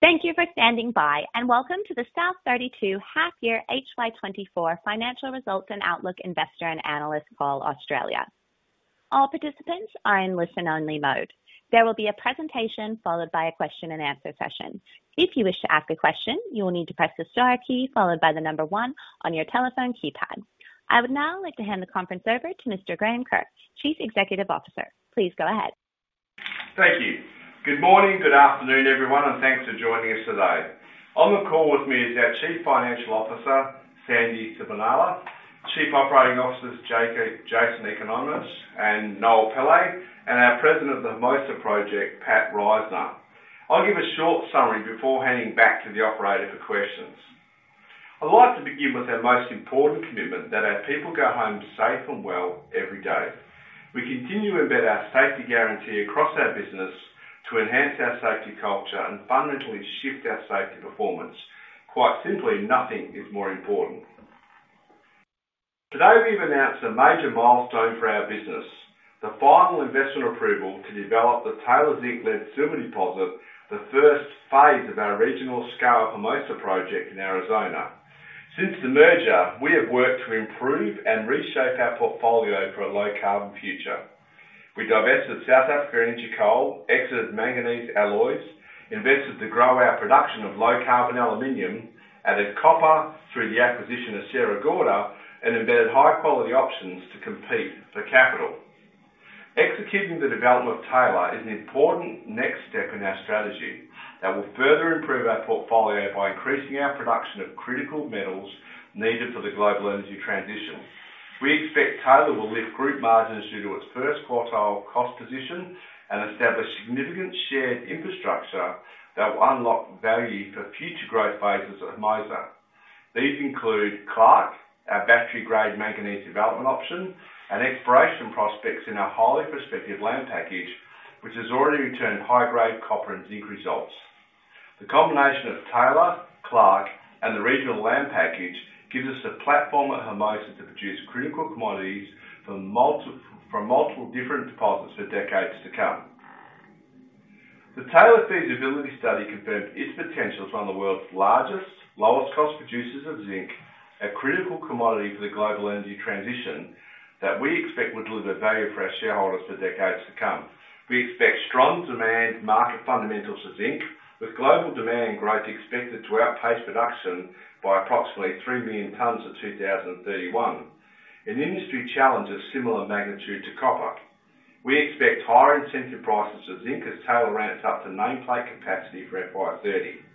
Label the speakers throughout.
Speaker 1: Thank you for standing by, and welcome to the South32 Half Year HY 2024 Financial Results and Outlook Investor and Analyst Call Australia. All participants are in listen-only mode. There will be a presentation followed by a question and answer session. If you wish to ask a question, you will need to press the star key followed by the number one on your telephone keypad. I would now like to hand the conference over to Mr. Graham Kerr, Chief Executive Officer. Please go ahead.
Speaker 2: Thank you. Good morning, good afternoon, everyone, and thanks for joining us today. On the call with me is our Chief Financial Officer, Sandy Sibenaler, Chief Operating Officers Jason Economidis and Noel Pillay, and our President of the Hermosa Project, Pat Risner. I'll give a short summary before handing back to the operator for questions. I'd like to begin with our most important commitment, that our people go home safe and well every day. We continue to embed our safety guarantee across our business to enhance our safety culture and fundamentally shift our safety performance. Quite simply, nothing is more important. Today, we've announced a major milestone for our business, the final investment approval to develop the Taylor zinc-lead-silver deposit, the phase I of our regional-scale Hermosa Project in Arizona. Since the merger, we have worked to improve and reshape our portfolio for a low-carbon future. We divested South African Energy Coal, exited Manganese Alloys, invested to grow our production of low-carbon aluminum, added copper through the acquisition of Sierra Gorda, and embedded high-quality options to compete for capital. Executing the development of Taylor is an important next step in our strategy that will further improve our portfolio by increasing our production of critical metals needed for the global energy transition. We expect Taylor will lift group margins due to its first quartile cost position and establish significant shared infrastructure that will unlock value for future growth phases at Hermosa. These include Clark, our battery-grade manganese development option, and exploration prospects in our highly prospective land package, which has already returned high-grade copper and zinc results. The combination of Taylor, Clark, and the regional land package gives us a platform at Hermosa to produce critical commodities from multiple different deposits for decades to come. The Taylor feasibility study confirms its potential as one of the world's largest, lowest-cost producers of zinc, a critical commodity for the global energy transition that we expect will deliver value for our shareholders for decades to come. We expect strong demand, market fundamentals for zinc, with global demand growth expected to outpace production by approximately 3 million tons by 2031, an industry challenge of similar magnitude to copper. We expect higher incentive prices for zinc as Taylor ramps up to nameplate capacity for FY30.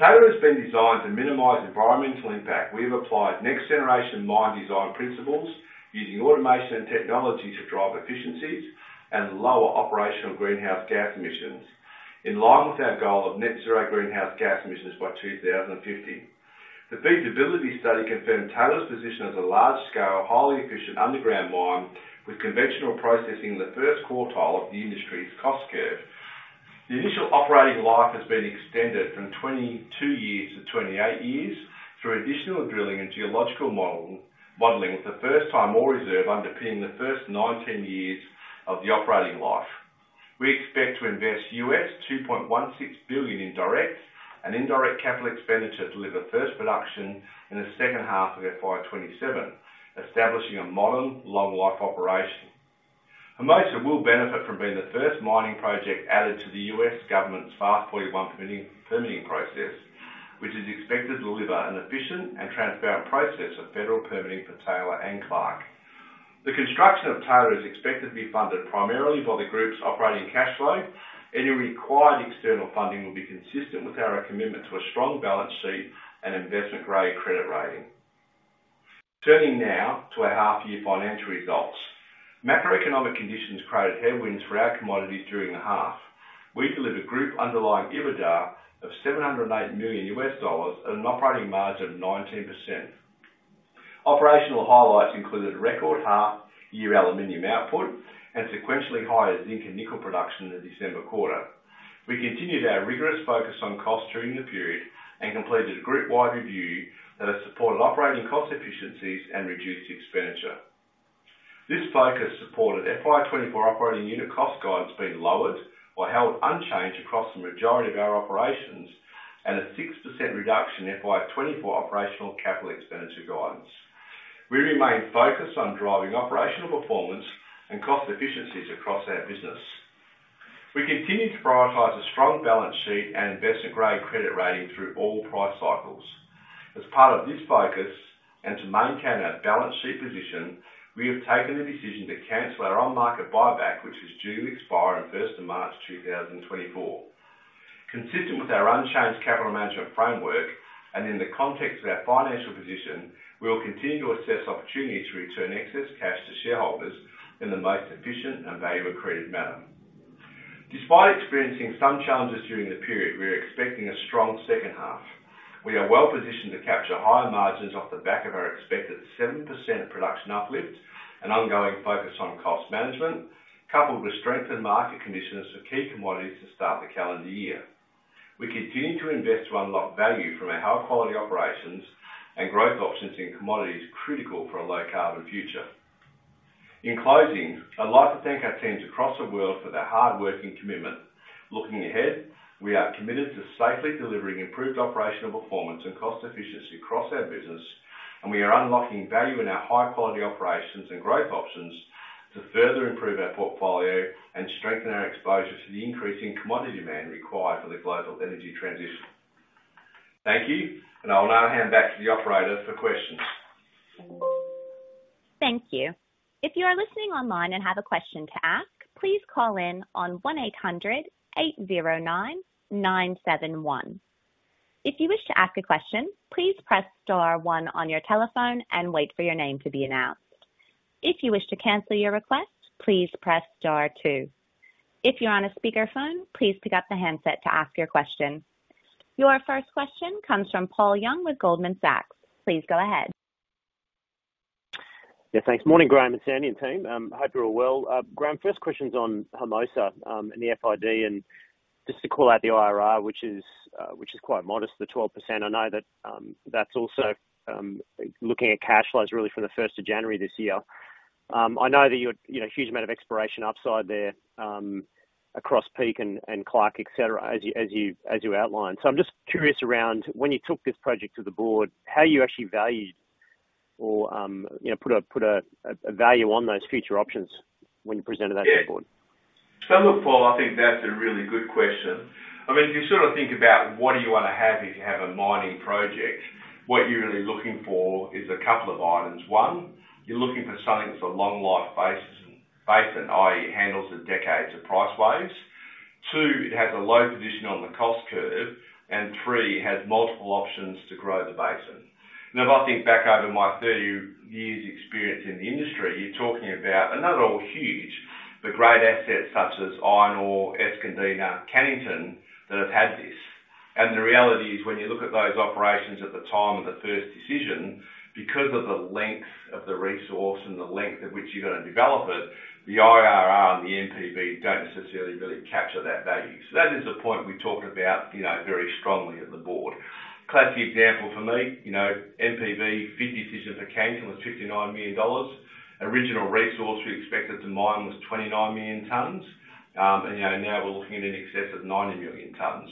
Speaker 2: Taylor has been designed to minimize environmental impact. We have applied next-generation mine design principles using automation and technology to drive efficiencies and lower operational greenhouse gas emissions, in line with our goal of net zero greenhouse gas emissions by 2050. The feasibility study confirmed Taylor's position as a large-scale, highly efficient underground mine with conventional processing in the first quartile of the industry's cost curve. The initial operating life has been extended from 22 years to 28 years through additional drilling and geological modeling, with the first-tier Ore Reserve underpinning the first 19 years of the operating life. We expect to invest $2.16 billion in direct and indirect capital expenditure to deliver first production in the second half of FY 2027, establishing a modern, long-life operation. Hermosa will benefit from being the first mining project added to the U.S. government's FAST-41 permitting process, which is expected to deliver an efficient and transparent process of federal permitting for Taylor and Clark. The construction of Taylor is expected to be funded primarily by the group's operating cash flow. Any required external funding will be consistent with our commitment to a strong balance sheet and investment-grade credit rating. Turning now to our half-year financial results. Macroeconomic conditions created headwinds for our commodities during the half. We delivered group underlying EBITDA of $708 million at an operating margin of 19%. Operational highlights included record half-year aluminum output and sequentially higher zinc and nickel production in the December quarter. We continued our rigorous focus on cost during the period and completed a group-wide review that has supported operating cost efficiencies and reduced expenditure. This focus supported FY 2024 operating unit cost guidance being lowered or held unchanged across the majority of our operations, and a 6% reduction in FY 2024 operational capital expenditure guidance. We remain focused on driving operational performance and cost efficiencies across our business. We continue to prioritize a strong balance sheet and investment-grade credit rating through all price cycles. As part of this focus, and to maintain our balance sheet position, we have taken the decision to cancel our on-market buyback, which is due to expire on the 1st of March 2024. Consistent with our unchanged capital management framework and in the context of our financial position, we will continue to assess opportunities to return excess cash to shareholders in the most efficient and value-accretive manner. Despite experiencing some challenges during the period, we are expecting a strong second half. We are well-positioned to capture higher margins off the back of our expected 7% production uplift and ongoing focus on cost management, coupled with strengthened market conditions for key commodities to start the calendar year. We continue to invest to unlock value from our high-quality operations and growth options in commodities, critical for a low-carbon future.... In closing, I'd like to thank our teams across the world for their hard work and commitment. Looking ahead, we are committed to safely delivering improved operational performance and cost efficiency across our business, and we are unlocking value in our high-quality operations and growth options to further improve our portfolio and strengthen our exposure to the increasing commodity demand required for the global energy transition. Thank you, and I will now hand back to the operator for questions.
Speaker 1: Thank you. If you are listening online and have a question to ask, please call in on 1-800-809-971. If you wish to ask a question, please press star one on your telephone and wait for your name to be announced. If you wish to cancel your request, please press star two. If you're on a speakerphone, please pick up the handset to ask your question. Your first question comes from Paul Young with Goldman Sachs. Please go ahead.
Speaker 3: Yeah, thanks. Morning, Graham and Sandy and team. Hope you're all well. Graham, first question's on Hermosa, and the FID, and just to call out the IRR, which is quite modest, the 12%. I know that that's also looking at cash flows really from the first of January this year. I know that you had, you know, a huge amount of exploration upside there, across Peak and Clark, et cetera, as you outlined. So I'm just curious around when you took this project to the board, how you actually valued or, you know, put a value on those future options when you presented that to the board?
Speaker 2: Yeah. So, look, Paul, I think that's a really good question. I mean, if you sort of think about what do you want to have if you have a mining project, what you're really looking for is a couple of items. One, you're looking for something that's a long life basin, basin, i.e., handles the decades of price waves. Two, it has a low position on the cost curve. And three, it has multiple options to grow the basin. Now, if I think back over my 30 years experience in the industry, you're talking about, and they're all huge, the great assets such as Iron Ore, Escondida, Cannington, that have had this. The reality is, when you look at those operations at the time of the first decision, because of the length of the resource and the length at which you're gonna develop it, the IRR and the NPV don't necessarily really capture that value. So that is the point we talked about, you know, very strongly at the board. Classic example for me, you know, NPV [inaudible] $59 million. Original resource we expected to mine was 29 million tons. And, you know, now we're looking at in excess of 90 million tons.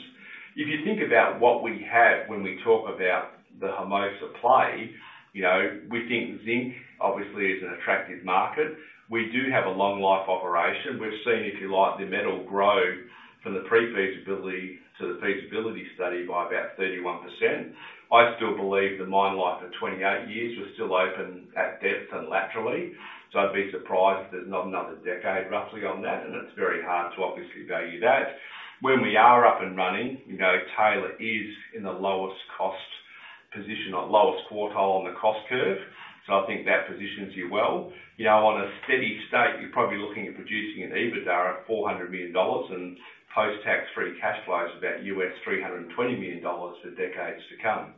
Speaker 2: If you think about what we have when we talk about the Hermosa play, you know, we think zinc obviously is an attractive market. We do have a long life operation. We've seen, if you like, the metal grow from the pre-feasibility to the feasibility study by about 31%. I still believe the mine life of 28 years was still open at depth and laterally, so I'd be surprised if there's not another decade, roughly, on that, and it's very hard to obviously value that. When we are up and running, you know, Taylor is in the lowest cost position or lowest quartile on the cost curve, so I think that positions you well. You know, on a steady state, you're probably looking at producing an EBITDA of $400 million and post-tax free cash flows about $320 million for decades to come.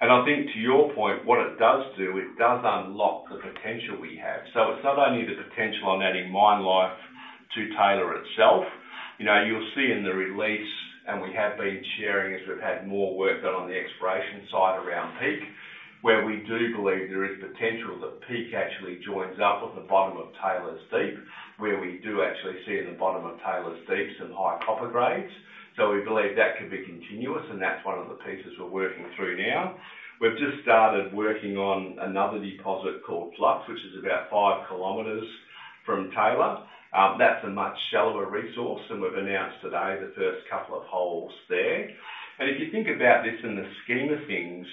Speaker 2: I think to your point, what it does do, it does unlock the potential we have. So it's not only the potential on adding mine life to Taylor itself. You know, you'll see in the release, and we have been sharing as we've had more work done on the exploration side around Peak, where we do believe there is potential that Peak actually joins up at the bottom of Taylor's Deep, where we do actually see in the bottom of Taylor's Deep some high copper grades. So we believe that could be continuous, and that's one of the pieces we're working through now. We've just started working on another deposit called Flux, which is about 5 kilometers from Taylor. That's a much shallower resource, and we've announced today the first couple of holes there. If you think about this in the scheme of things,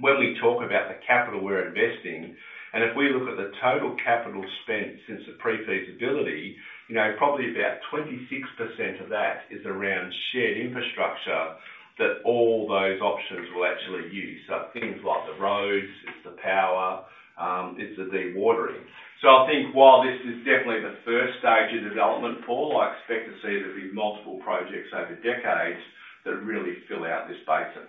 Speaker 2: when we talk about the capital we're investing, and if we look at the total capital spent since the pre-feasibility, you know, probably about 26% of that is around shared infrastructure that all those options will actually use. So things like the roads, it's the power, it's the dewatering. So I think while this is definitely the first stage of development, Paul, I expect to see there'll be multiple projects over decades that really fill out this basin.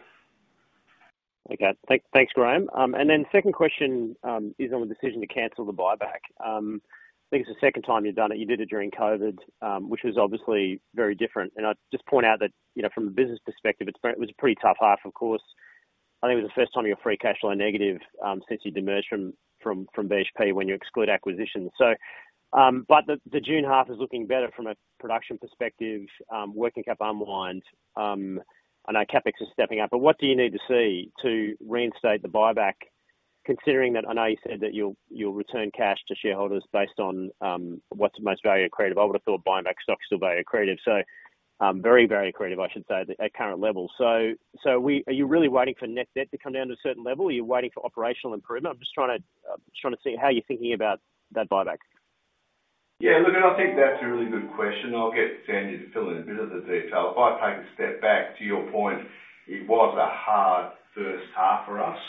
Speaker 3: Okay. Thanks, Graham. And then second question is on the decision to cancel the buyback. I think it's the second time you've done it. You did it during COVID, which was obviously very different. And I'd just point out that, you know, from a business perspective, it was a pretty tough half, of course. I think it was the first time you were free cash flow negative since you demerged from BHP, when you exclude acquisitions. So, but the June half is looking better from a production perspective, working cap unwind. I know CapEx is stepping up, but what do you need to see to reinstate the buyback, considering that I know you said that you'll return cash to shareholders based on what's the most value accretive? I would have thought buying back stocks is still very accretive, so very, very accretive, I should say, at current levels. So, are you really waiting for net debt to come down to a certain level? Are you waiting for operational improvement? I'm just trying to see how you're thinking about that buyback.
Speaker 2: Yeah, look, I think that's a really good question. I'll get Sandy to fill in a bit of the detail. If I take a step back to your point, it was a hard first half for us,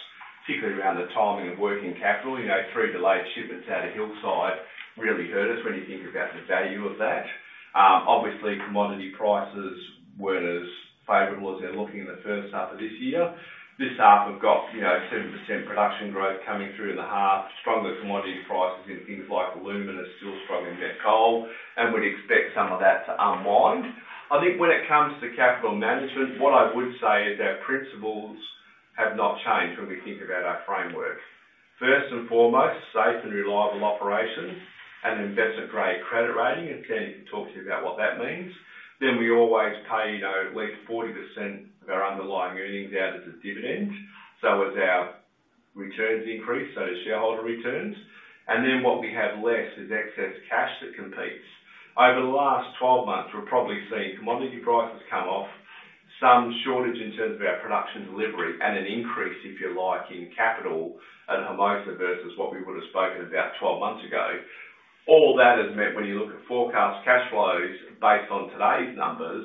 Speaker 2: particularly around the timing of working capital. You know, three delayed shipments out of Hillside really hurt us when you think about the value of that. Obviously, commodity prices weren't as favorable as they're looking in the first half of this year. This half, we've got, you know, 7% production growth coming through in the half, stronger commodity prices in things like aluminum, coal, and we'd expect some of that to unwind. I think when it comes to capital management, what I would say is our principles have not changed when we think about our framework. First and foremost, safe and reliable operations and investment-grade credit rating, and Sandy can talk to you about what that means. Then we always pay, you know, at least 40% of our underlying earnings out as a dividend. So as our returns increase, so do shareholder returns, and then what we have left is excess cash that competes. Over the last 12 months, we've probably seen commodity prices come off, some shortage in terms of our production delivery, and an increase, if you like, in capital at Hermosa versus what we would have spoken about 12 months ago. All that has meant when you look at forecast cash flows based on today's numbers,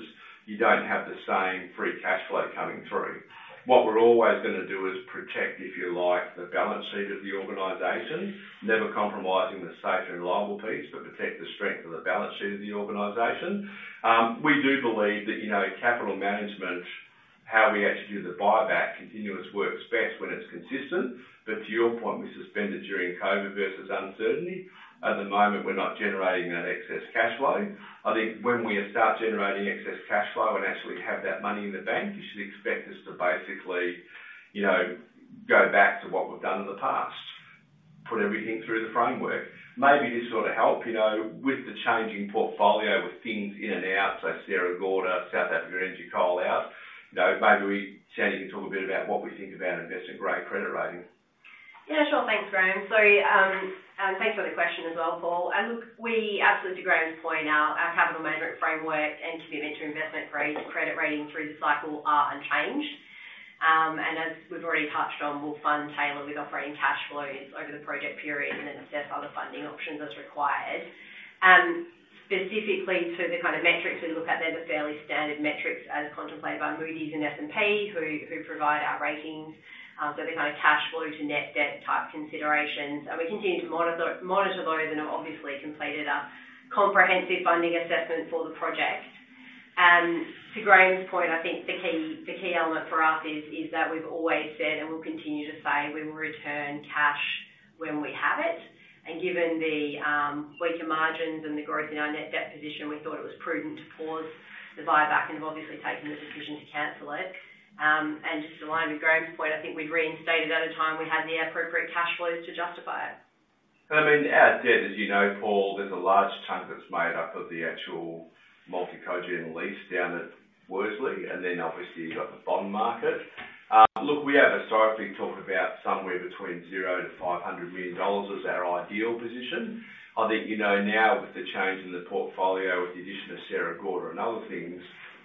Speaker 2: you don't have the same free cash flow coming through. What we're always gonna do is protect, if you like, the balance sheet of the organization, never compromising the safe and reliable piece, but protect the strength of the balance sheet of the organization. We do believe that, you know, capital management, how we actually do the buyback continuous, works best when it's consistent. But to your point, we suspended during COVID versus uncertainty. At the moment, we're not generating that excess cash flow. I think when we start generating excess cash flow and actually have that money in the bank, you should expect us to basically, you know, go back to what we've done in the past, put everything through the framework. Maybe this will sort of help, you know, with the changing portfolio, with things in and out, so Sierra Gorda, South African Energy Coal out, you know, maybe we, Sandy can talk a bit about what we think about investment-grade credit rating.
Speaker 4: Yeah, sure. Thanks, Graham. So, thanks for the question as well, Paul. And look, we absolutely, to Graham's point, our, our capital management framework and commitment to investment grade credit rating through the cycle are unchanged. And as we've already touched on, we'll fund Taylor with operating cash flows over the project period and then assess other funding options as required. Specifically to the kind of metrics we look at, they're the fairly standard metrics as contemplated by Moody's and S&P, who, who provide our ratings. So the kind of cash flow to net debt type considerations, and we continue to monitor, monitor those and have obviously completed a comprehensive funding assessment for the project. To Graham's point, I think the key, the key element for us is that we've always said, and we'll continue to say, we will return cash when we have it. Given the weaker margins and the growth in our net debt position, we thought it was prudent to pause the buyback and have obviously taken the decision to cancel it. And just align with Graham's point, I think we've reinstated at a time we had the appropriate cash flows to justify it.
Speaker 2: I mean, our debt, as you know, Paul, there's a large chunk that's made up of the actual multi-currency lease down at Worsley, and then obviously you've got the bond market. Look, we have historically talked about somewhere between $0 million-$500 million as our ideal position. I think you know now, with the change in the portfolio, with the addition of Sierra Gorda and other things,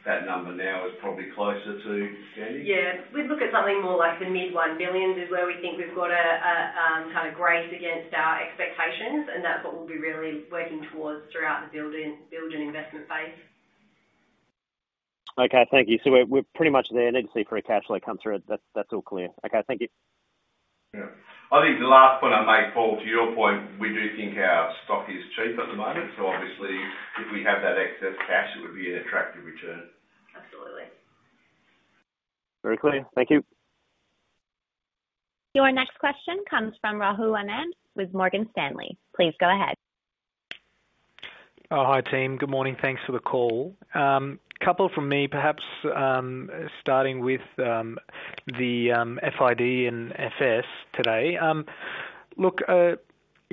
Speaker 2: that number now is probably closer to Sandy?
Speaker 4: Yeah, we'd look at something more like the mid-$1 billion, is where we think we've got a kind of grace against our expectations, and that's what we'll be really working towards throughout the building investment phase.
Speaker 3: Okay, thank you. So we're pretty much there, need to see free cash flow come through. That's all clear. Okay, thank you.
Speaker 2: Yeah. I think the last point I'd make, Paul, to your point, we do think our stock is cheap at the moment, so obviously, if we have that excess cash, it would be an attractive return.
Speaker 4: Absolutely.
Speaker 3: Very clear. Thank you.
Speaker 1: Your next question comes from Rahul Anand with Morgan Stanley. Please go ahead.
Speaker 5: Oh, hi, team. Good morning. Thanks for the call. A couple from me, perhaps, starting with the FID and FS today.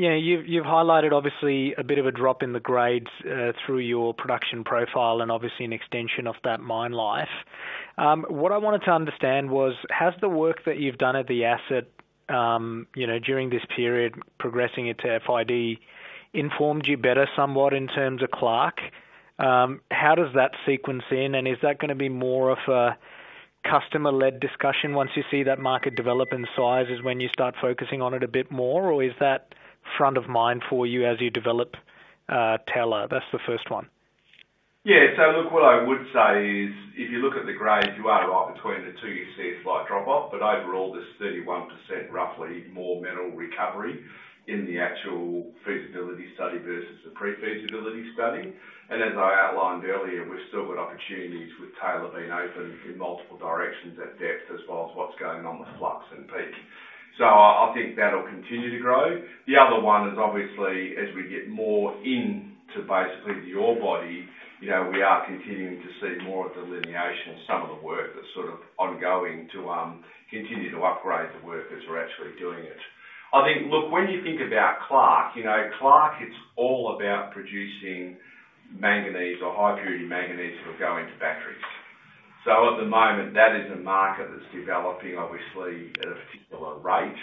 Speaker 5: Look, you know, you've highlighted obviously a bit of a drop in the grades through your production profile and obviously an extension of that mine life. What I wanted to understand was, has the work that you've done at the asset, you know, during this period, progressing it to FID, informed you better, somewhat, in terms of Clark? How does that sequence in, and is that gonna be more of a customer-led discussion once you see that market develop in size, is when you start focusing on it a bit more? Or is that front of mind for you as you develop Taylor? That's the first one.
Speaker 2: Yeah. So look, what I would say is, if you look at the grades, you are right between the two, you see a slight drop off, but overall, there's 31%, roughly, more metal recovery in the actual feasibility study versus the pre-feasibility study. And as I outlined earlier, we've still got opportunities with Taylor being open in multiple directions at depth, as well as what's going on with Flux and Peak. So I, I think that'll continue to grow. The other one is obviously as we get more into basically the ore body, you know, we are continuing to see more delineation of some of the work that's sort of ongoing to continue to upgrade the work as we're actually doing it. I think, look, when you think about Clark, you know, Clark, it's all about producing manganese or high-purity manganese for going to batteries. So at the moment, that is a market that's developing, obviously, at a particular rate.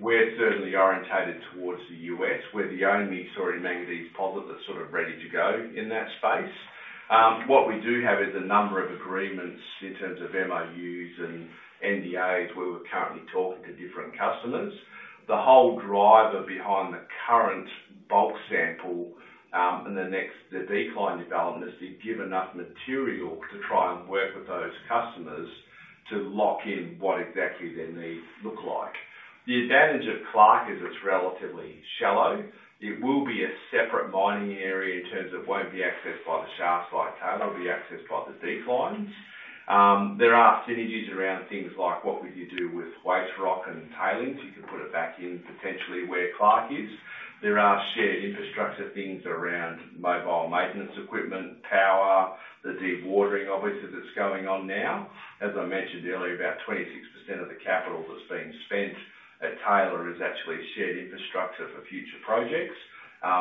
Speaker 2: We're certainly oriented towards the U.S. We're the only sort of manganese producer that's sort of ready to go in that space. What we do have is a number of agreements in terms of MOUs and NDAs, where we're currently talking to different customers. The whole driver behind the current bulk sample, and the next, the decline development, is to give enough material to try and work with those customers to lock in what exactly their needs look like. The advantage of Clark is it's relatively shallow. It will be a separate mining area in terms of won't be accessed by the shaft like Taylor, will be accessed by the decline. There are synergies around things like what would you do with waste rock and tailings? You can put it back in, potentially, where Clark is. There are shared infrastructure things around mobile maintenance, equipment, power, the deep watering, obviously, that's going on now. As I mentioned earlier, about 26% of the capital that's being spent at Taylor is actually shared infrastructure for future projects,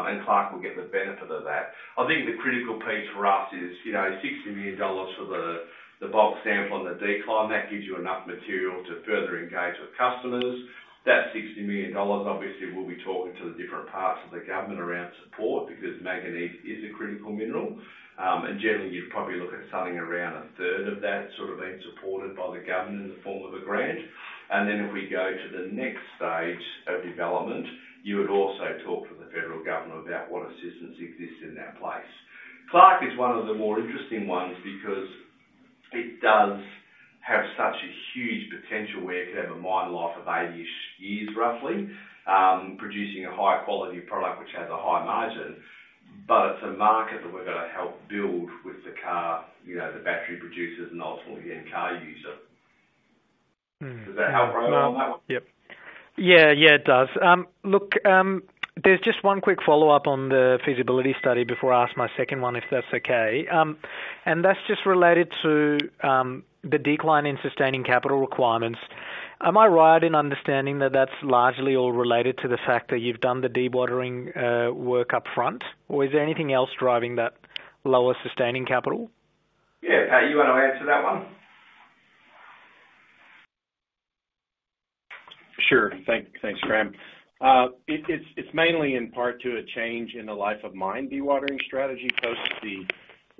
Speaker 2: and Clark will get the benefit of that. I think the critical piece for us is, you know, $60 million for the, the bulk sample on the decline. That gives you enough material to further engage with customers. That $60 million, obviously, we'll be talking to the different parts of the government around support because manganese is a critical mineral. And generally, you'd probably look at something around a third of that sort of being supported by the government in the form of a grant. And then if we go to the next stage of development, you would also talk to the federal government about what assistance exists in that place. Clark is one of the more interesting ones because it does have such a huge potential where it could have a mine life of 80-ish years, roughly, producing a high-quality product, which has a high margin. But it's a market that we're gonna help build with the car, you know, the battery producers and ultimately the end car user.
Speaker 5: Mm.
Speaker 2: [inaudible]
Speaker 5: Yep. Yeah. Yeah, it does. Look, there's just one quick follow-up on the feasibility study before I ask my second one, if that's okay. And that's just related to the decline in sustaining capital requirements. Am I right in understanding that that's largely all related to the fact that you've done the dewatering work up front? Or is there anything else driving that lower sustaining capital?
Speaker 2: Yeah, Pat, you wanna answer that one?
Speaker 6: Sure. Thanks, Graham. It's mainly in part to a change in the life of mine dewatering strategy, post the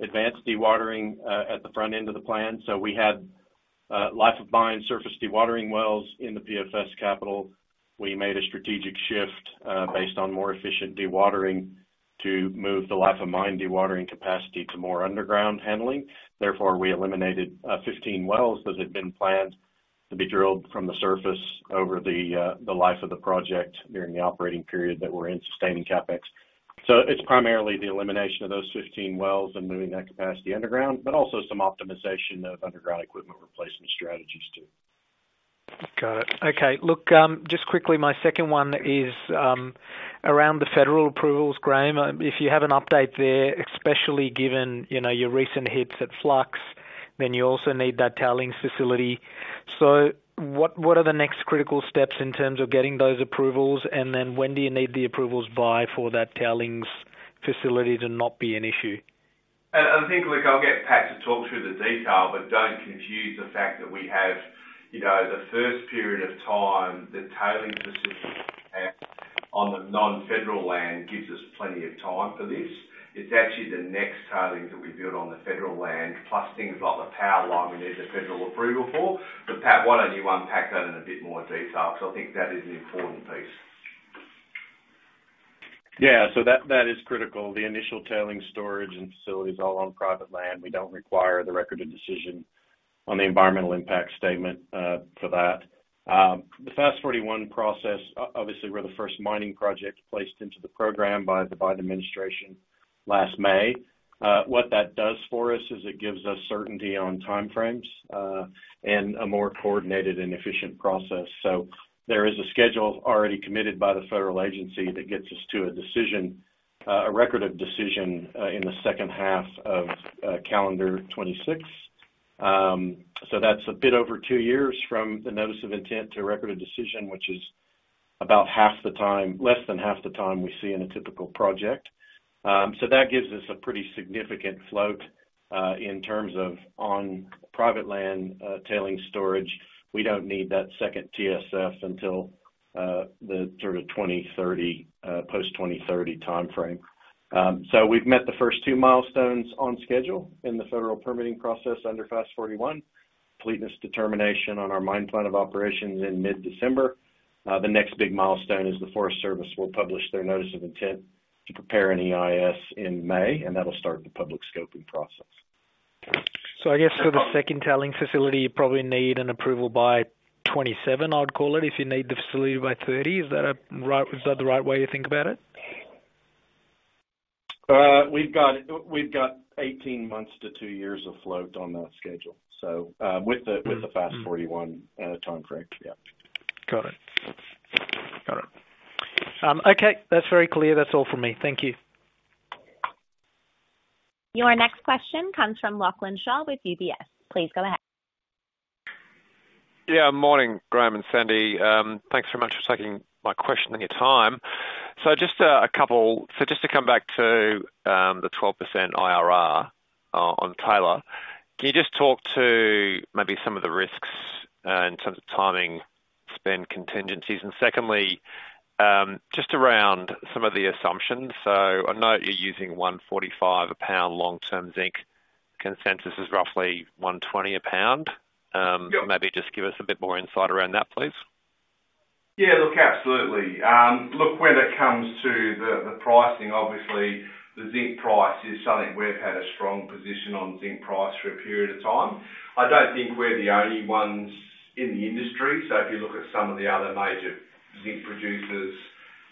Speaker 6: advanced dewatering at the front end of the plan. So we had life of mine surface dewatering wells in the PFS capital. We made a strategic shift based on more efficient dewatering, to move the life of mine dewatering capacity to more underground handling. Therefore, we eliminated 15 wells that had been planned to be drilled from the surface over the life of the project during the operating period that we're in sustaining CapEx. So it's primarily the elimination of those 15 wells and moving that capacity underground, but also some optimization of underground equipment replacement strategies, too.
Speaker 5: Got it. Okay, look, just quickly, my second one is around the federal approvals. Graham, if you have an update there, especially given, you know, your recent hits at Flux, then you also need that tailings facility. So what, what are the next critical steps in terms of getting those approvals? And then when do you need the approvals by for that tailings facility to not be an issue?
Speaker 2: I think, look, I'll get Pat to talk through the detail, but don't confuse the fact that we have, you know, the first period of time, the tailings facilities on the non-federal land gives us plenty of time for this. It's actually the next tailings that we build on the federal land, plus things like the power line we need the federal approval for. So, Pat, why don't you unpack that in a bit more detail? Because I think that is an important piece.
Speaker 6: Yeah. So that is critical. The initial tailings storage facility is all on private land. We don't require the Record of Decision on the Environmental Impact Statement for that. The FAST-41 process, obviously, we're the first mining project placed into the program by the Biden administration last May. What that does for us is it gives us certainty on time frames and a more coordinated and efficient process. So there is a schedule already committed by the federal agency that gets us to a decision, a Record of Decision, in the second half of calendar 2026. So that's a bit over two years from the notice of intent to Record of Decision, which is about half the time, less than half the time we see in a typical project. So that gives us a pretty significant float in terms of on private land tailings storage. We don't need that second TSF until the sort of 2030, post-2030 timeframe. So we've met the first two milestones on schedule in the federal permitting process under FAST-41. Completeness determination on our mine plan of operations in mid-December. The next big milestone is the Forest Service will publish their notice of intent to prepare an EIS in May, and that'll start the public scoping process.
Speaker 5: So, I guess for the second tailings facility, you probably need an approval by 2027, I'd call it, if you need the facility by 2030. Is that the right way to think about it?
Speaker 6: We've got, we've got 18 months to 2 years of float on that schedule. So, with the-
Speaker 5: Mm.
Speaker 6: With the FAST-41 time frame. Yeah.
Speaker 5: Got it. Got it. Okay, that's very clear. That's all from me. Thank you.
Speaker 1: Your next question comes from Lachlan Shaw with UBS. Please go ahead.
Speaker 7: Yeah, morning, Graham and Sandy. Thanks very much for taking my question and your time. So just to come back to the 12% IRR on Taylor, can you just talk to maybe some of the risks in terms of timing, spend contingencies? And secondly, just around some of the assumptions. So I know you're using $1.45 a pound long-term zinc. Consensus is roughly $1.20 a pound.
Speaker 2: Yep.
Speaker 7: Maybe just give us a bit more insight around that, please.
Speaker 2: ...Yeah, look, absolutely. Look, when it comes to the pricing, obviously, the zinc price is something we've had a strong position on zinc price for a period of time. I don't think we're the only ones in the industry. So if you look at some of the other major zinc producers,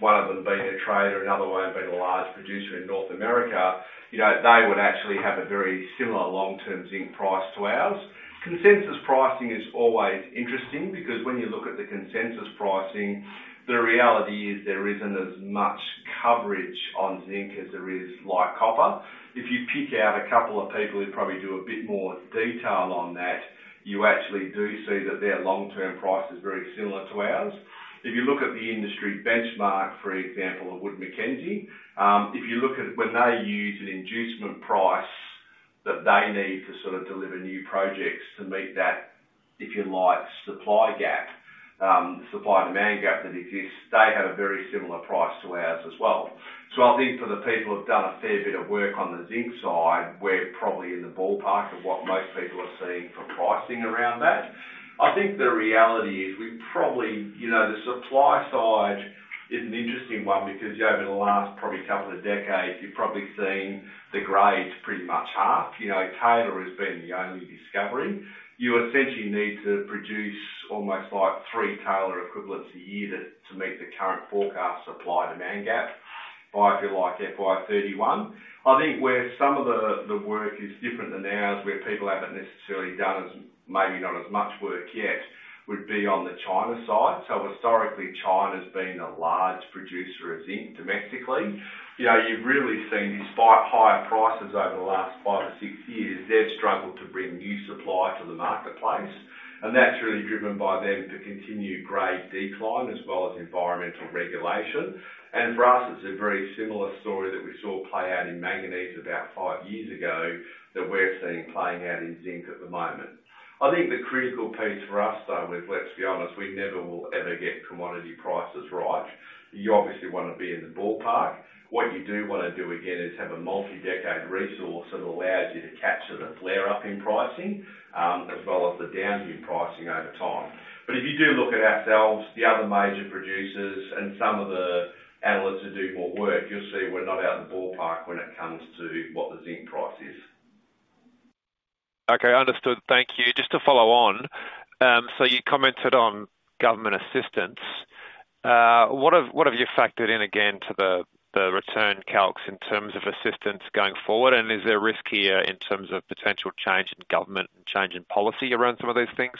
Speaker 2: one of them being a trader, another one being a large producer in North America, you know, they would actually have a very similar long-term zinc price to ours. Consensus pricing is always interesting because when you look at the consensus pricing, the reality is there isn't as much coverage on zinc as there is like copper. If you pick out a couple of people who probably do a bit more detail on that, you actually do see that their long-term price is very similar to ours. If you look at the industry benchmark, for example, of Wood Mackenzie, if you look at when they use an inducement price that they need to sort of deliver new projects to meet that, if you like, supply gap, supply and demand gap that exists, they have a very similar price to ours as well. So I think for the people who've done a fair bit of work on the zinc side, we're probably in the ballpark of what most people are seeing for pricing around that. I think the reality is we probably, you know, the supply side is an interesting one because over the last probably couple of decades, you've probably seen the grades pretty much half. You know, Taylor has been the only discovery. You essentially need to produce almost like three Taylor equivalents a year to meet the current forecast supply demand gap, by if you like, FY31. I think where some of the, the work is different than ours, where people haven't necessarily done as maybe not as much work yet, would be on the China side. So historically, China's been a large producer of zinc domestically. You know, you've really seen, despite higher prices over the last five or six years, they've struggled to bring new supply to the marketplace, and that's really driven by them to continue grade decline as well as environmental regulation. And for us, it's a very similar story that we saw play out in manganese about five years ago, that we're seeing playing out in zinc at the moment. I think the critical piece for us, though, with, let's be honest, we never will ever get commodity prices right. You obviously want to be in the ballpark. What you do wanna do again, is have a multi-decade resource that allows you to capture the flare-up in pricing, as well as the down view pricing over time. But if you do look at ourselves, the other major producers and some of the analysts who do more work, you'll see we're not out of the ballpark when it comes to what the zinc price is.
Speaker 7: Okay, understood. Thank you. Just to follow on, so you commented on government assistance. What have you factored in again to the return calcs in terms of assistance going forward, and is there a risk here in terms of potential change in government and change in policy around some of these things?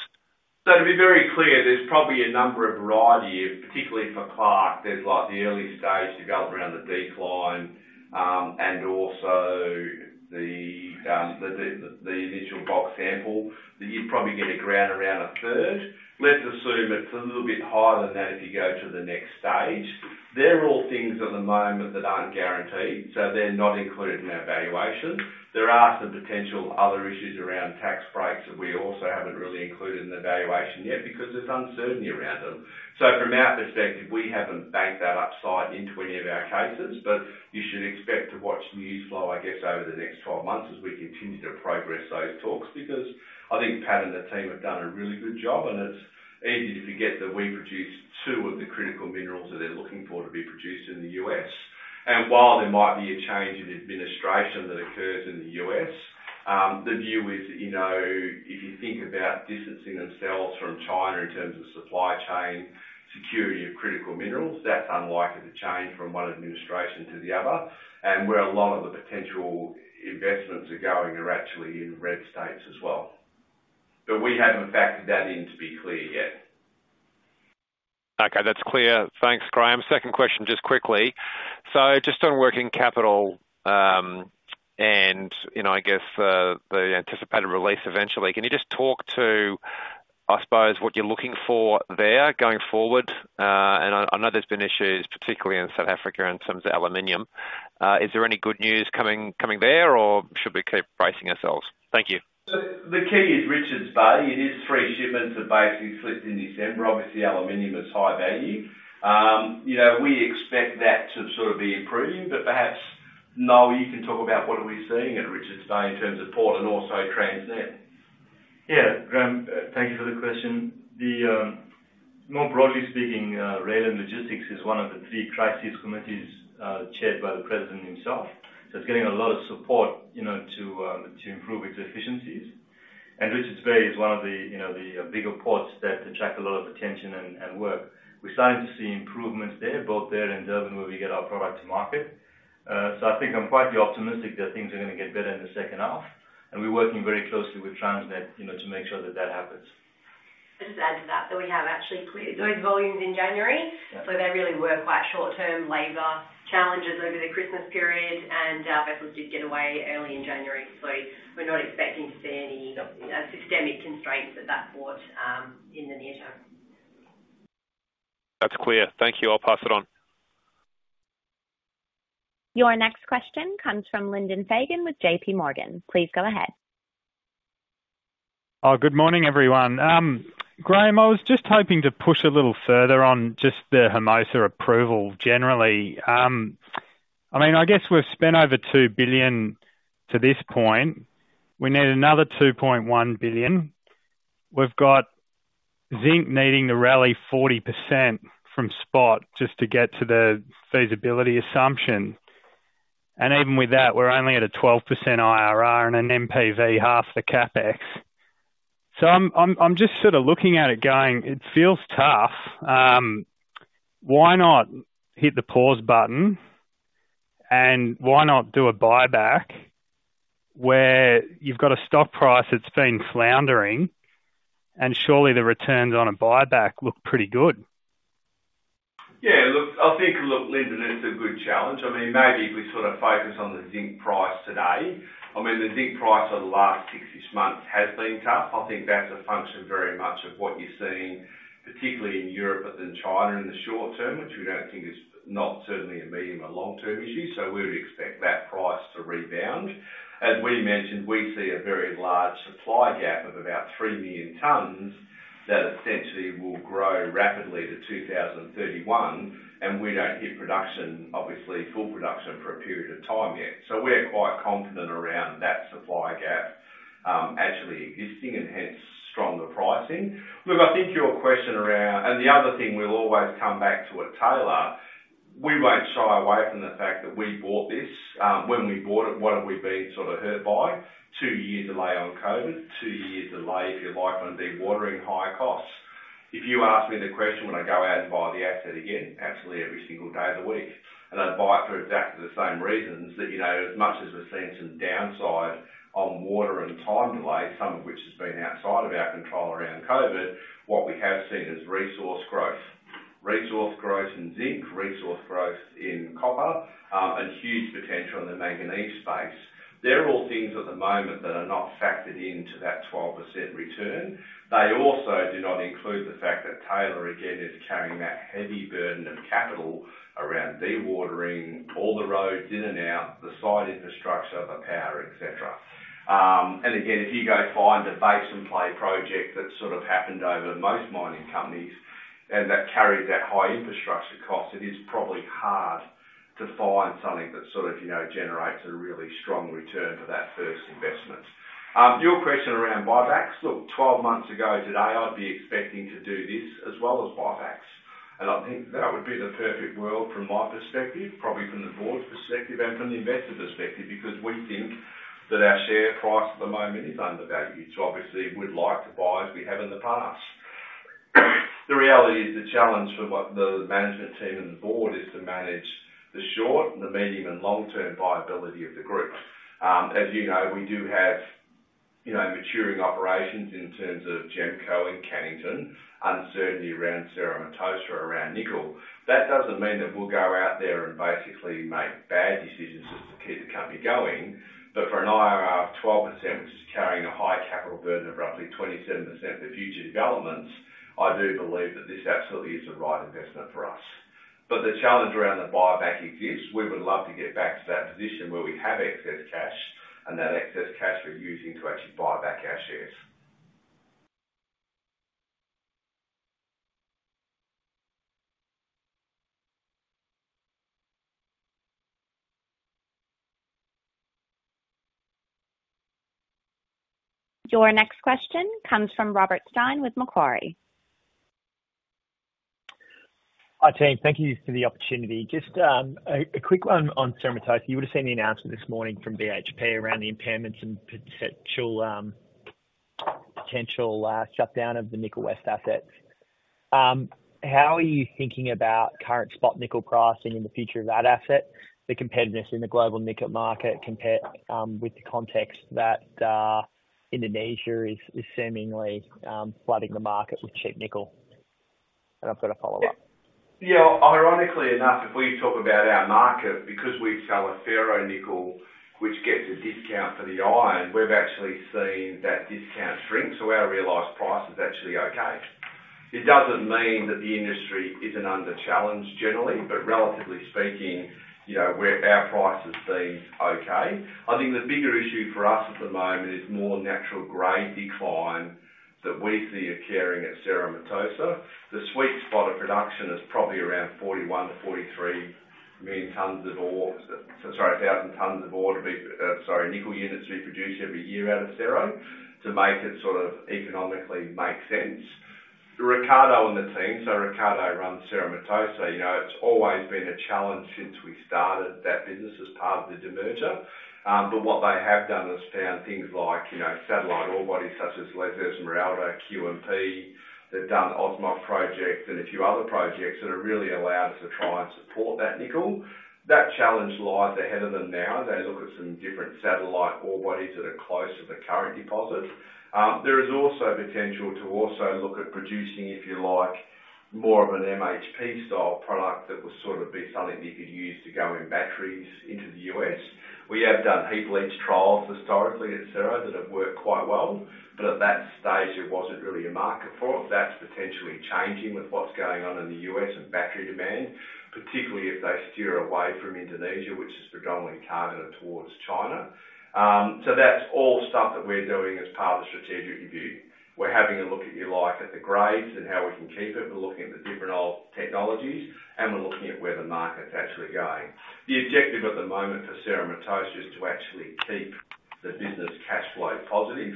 Speaker 2: To be very clear, there's probably a number of variety, particularly for Clark. There's like the early stage development around the decline, and also the initial bulk sample, that you'd probably get around a third. Let's assume it's a little bit higher than that if you go to the next stage. They're all things at the moment that aren't guaranteed, so they're not included in our valuation. There are some potential other issues around tax breaks that we also haven't really included in the valuation yet, because there's uncertainty around them. So from our perspective, we haven't banked that upside into any of our cases, but you should expect to watch news flow, I guess, over the next 12 months as we continue to progress those talks, because I think Pat and the team have done a really good job, and it's easy to forget that we produce two of the critical minerals that they're looking for to be produced in the U.S. And while there might be a change in the administration that occurs in the U.S., the view is, you know, if you think about distancing themselves from China in terms of supply chain, security of critical minerals, that's unlikely to change from one administration to the other. And where a lot of the potential investments are going are actually in red states as well. But we haven't factored that in, to be clear, yet.
Speaker 7: Okay, that's clear. Thanks, Graham. Second question, just quickly. So just on working capital, and you know, I guess, the anticipated release eventually. Can you just talk to, I suppose, what you're looking for there going forward? And I know there's been issues, particularly in South Africa, in terms of aluminum. Is there any good news coming, coming there, or should we keep bracing ourselves? Thank you.
Speaker 2: The key is Richards Bay. It is three shipments that basically slipped in December. Obviously, aluminum is high value. You know, we expect that to sort of be improving, but perhaps, Noel, you can talk about what are we seeing at Richards Bay in terms of port and also Transnet.
Speaker 8: Yeah, Graham, thank you for the question. The more broadly speaking, rail and logistics is one of the three crisis committees, chaired by the president himself. So it's getting a lot of support, you know, to to improve its efficiencies. And Richards Bay is one of the, you know, the bigger ports that attract a lot of attention and work. We're starting to see improvements there, both there and Durban, where we get our product to market. So I think I'm quite optimistic that things are gonna get better in the second half, and we're working very closely with Transnet, you know, to make sure that that happens.
Speaker 4: Just to add to that, that we have actually cleared those volumes in January, so they really were quite short-term labor challenges over the Christmas period, and vessels did get away early in January. So we're not expecting to see any systemic constraints at that port in the near term.
Speaker 7: That's clear. Thank you. I'll pass it on.
Speaker 1: Your next question comes from Lyndon Fagan with JP Morgan. Please go ahead.
Speaker 9: Oh, good morning, everyone. Graham, I was just hoping to push a little further on just the Hermosa approval generally. I mean, I guess we've spent over $2 billion to this point. We need another $2.1 billion. We've got zinc needing to rally 40% from spot just to get to the feasibility assumption. And even with that, we're only at a 12% IRR and an NPV, half the CapEx. So I'm just sort of looking at it going, it feels tough. Why not hit the pause button, and why not do a buyback where you've got a stock price that's been floundering, and surely the returns on a buyback look pretty good?
Speaker 2: Yeah, look, I think, look, Lyndon, it's a good challenge. I mean, maybe if we sort of focus on the zinc price today, I mean, the zinc price over the last six-ish months has been tough. I think that's a function very much of what you're seeing, particularly in Europe, but then China in the short term, which we don't think is not certainly a medium or long-term issue. So we would expect that price to rebound. As we mentioned, we see a very large supply gap of about 3 million tons that essentially will grow rapidly to 2031, and we don't hit production, obviously, full production for a period of time yet. So we're quite confident around that supply gap, actually existing and hence stronger pricing. Look, I think your question around, and the other thing we'll always come back to at Taylor, we won't shy away from the fact that we bought this. When we bought it, what have we been sort of hurt by? Two years delay on COVID, two years delay, if you like, on dewatering high costs. If you ask me the question, would I go out and buy the asset again? Absolutely, every single day of the week, and I'd buy it for exactly the same reasons that, you know, as much as we've seen some downside on water and time delay, some of which has been outside of our control around COVID, what we have seen is resource growth. Resource growth in zinc, resource growth in copper, and huge potential in the manganese space. They're all things at the moment that are not factored into that 12% return. They also do not include the fact that Taylor, again, is carrying that heavy burden of capital around dewatering all the roads in and out, the site infrastructure, the power, et cetera. And again, if you go find a basin play project that sort of happened over most mining companies, and that carried that high infrastructure cost, it is probably hard to find something that sort of, you know, generates a really strong return for that first investment. Your question around buybacks. Look, 12 months ago today, I'd be expecting to do this as well as buybacks. And I think that would be the perfect world from my perspective, probably from the board's perspective and from the investor perspective, because we think that our share price at the moment is undervalued. So obviously, we'd like to buy as we have in the past. The reality is the challenge for what the management team and the board is to manage the short, the medium, and long-term viability of the group. As you know, we do have, you know, maturing operations in terms of GEMCO and Cannington, uncertainty around Cerro Matoso, around nickel. That doesn't mean that we'll go out there and basically make bad decisions just to keep the company going. But for an IRR of 12%, which is carrying a high capital burden of roughly 27% for future developments, I do believe that this absolutely is the right investment for us. But the challenge around the buyback exists. We would love to get back to that position where we have excess cash, and that excess cash we're using to actually buy back our shares.
Speaker 1: Your next question comes from Robert Stein with Macquarie.
Speaker 10: Hi, team. Thank you for the opportunity. Just a quick one on Cerro Matoso. You would have seen the announcement this morning from BHP around the impairments and potential shutdown of the Nickel West assets. How are you thinking about current spot nickel pricing in the future of that asset, the competitiveness in the global nickel market, compared with the context that Indonesia is seemingly flooding the market with cheap nickel? And I've got a follow-up.
Speaker 2: Yeah, ironically enough, if we talk about our market, because we sell a ferronickel, which gets a discount for the iron, we've actually seen that discount shrink, so our realized price is actually okay. It doesn't mean that the industry isn't under challenge generally, but relatively speaking, you know, our price has been okay. I think the bigger issue for us at the moment is more natural grade decline that we see occurring at Cerro Matoso. The sweet spot of production is probably around 41-43 million tons of ore, sorry, thousand tons of ore, sorry, nickel units we produce every year out of Cerro, to make it sort of economically make sense. Ricardo and the team, so Ricardo runs Cerro Matoso. You know, it's always been a challenge since we started that business as part of the demerger. But what they have done is found things like, you know, satellite ore bodies such as [Lezers] and Esmeralda, Q&P. They've done OSO project and a few other projects that have really allowed us to try and support that nickel. That challenge lies ahead of them now, as they look at some different satellite ore bodies that are close to the current deposit. There is also potential to also look at producing, if you like, more of an MHP-style product that would sort of be something you could use to go in batteries into the U.S. We have done heap leach trials historically at Cerro that have worked quite well, but at that stage, there wasn't really a market for it. That's potentially changing with what's going on in the U.S. and battery demand, particularly if they steer away from Indonesia, which-... predominantly targeted towards China. So that's all stuff that we're doing as part of the strategic review. We're having a look, if you like, at the grades and how we can keep it. We're looking at the different old technologies, and we're looking at where the market's actually going. The objective at the moment for Cerro Matoso is to actually keep the business cash flow positive,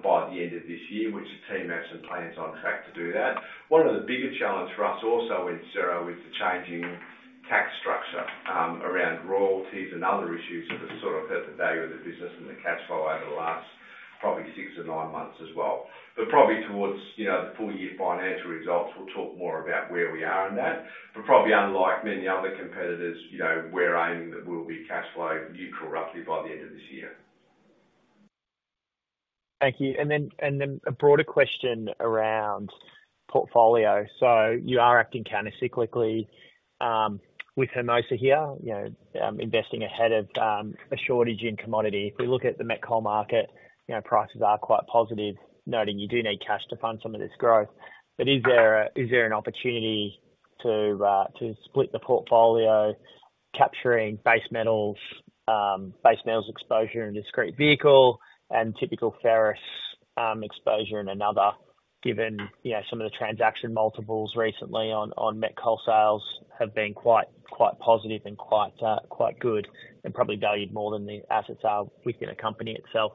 Speaker 2: by the end of this year, which the team has some plans on track to do that. One of the bigger challenge for us also in Cerro Matoso, is the changing tax structure, around royalties and other issues that have sort of hurt the value of the business and the cash flow over the last probably six or nine months as well. But probably towards, you know, the full year financial results, we'll talk more about where we are in that. But probably unlike many other competitors, you know, we're aiming that we'll be cash flow neutral, roughly, by the end of this year.
Speaker 10: Thank you. A broader question around portfolio. So you are acting countercyclically with Hermosa here, you know, investing ahead of a shortage in commodity. If we look at the met coal market, you know, prices are quite positive, noting you do need cash to fund some of this growth. But is there an opportunity to split the portfolio, capturing base metals base metals exposure in a discrete vehicle and typical ferrous exposure in another, given, you know, some of the transaction multiples recently on met coal sales have been quite positive and quite good, and probably valued more than the assets are within a company itself?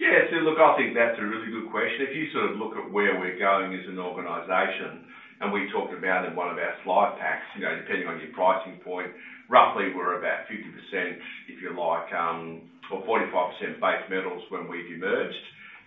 Speaker 2: Yeah, so look, I think that's a really good question. If you sort of look at where we're going as an organization, and we talked about in one of our slide packs, you know, depending on your pricing point, roughly we're about 50%, if you like, or 45% base metals when we've emerged.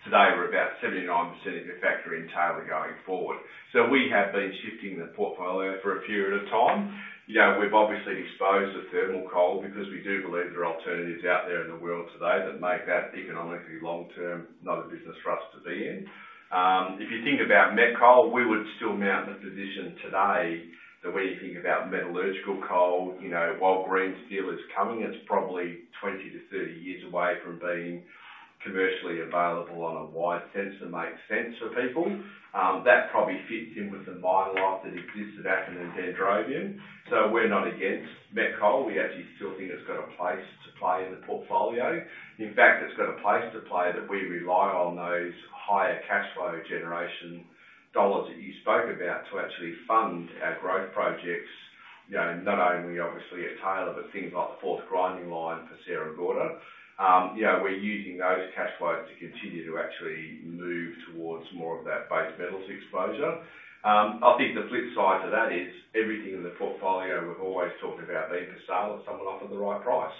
Speaker 2: Today, we're about 79% if you factor in Taylor going forward. So we have been shifting the portfolio for a period of time. You know, we've obviously exposed the thermal coal because we do believe there are alternatives out there in the world today that make that economically long term, not a business for us to be in. If you think about met coal, we would still mount the position today, that when you think about metallurgical coal, you know, while green steel is coming, it's probably 20-30 years away from being commercially available on a wide sense and make sense for people. That probably fits in with the mine life that exists at Appin and Dendrobium. So we're not against met coal. We actually still think it's got a place to play in the portfolio. In fact, it's got a place to play that we rely on those higher cash flow generation dollars that you spoke about to actually fund our growth projects, you know, not only obviously at Taylor, but things like the fourth grinding line for Sierra Gorda. We're using those cash flows to continue to actually move towards more of that base metals exposure. I think the flip side to that is everything in the portfolio, we've always talked about being for sale, if someone offers the right price.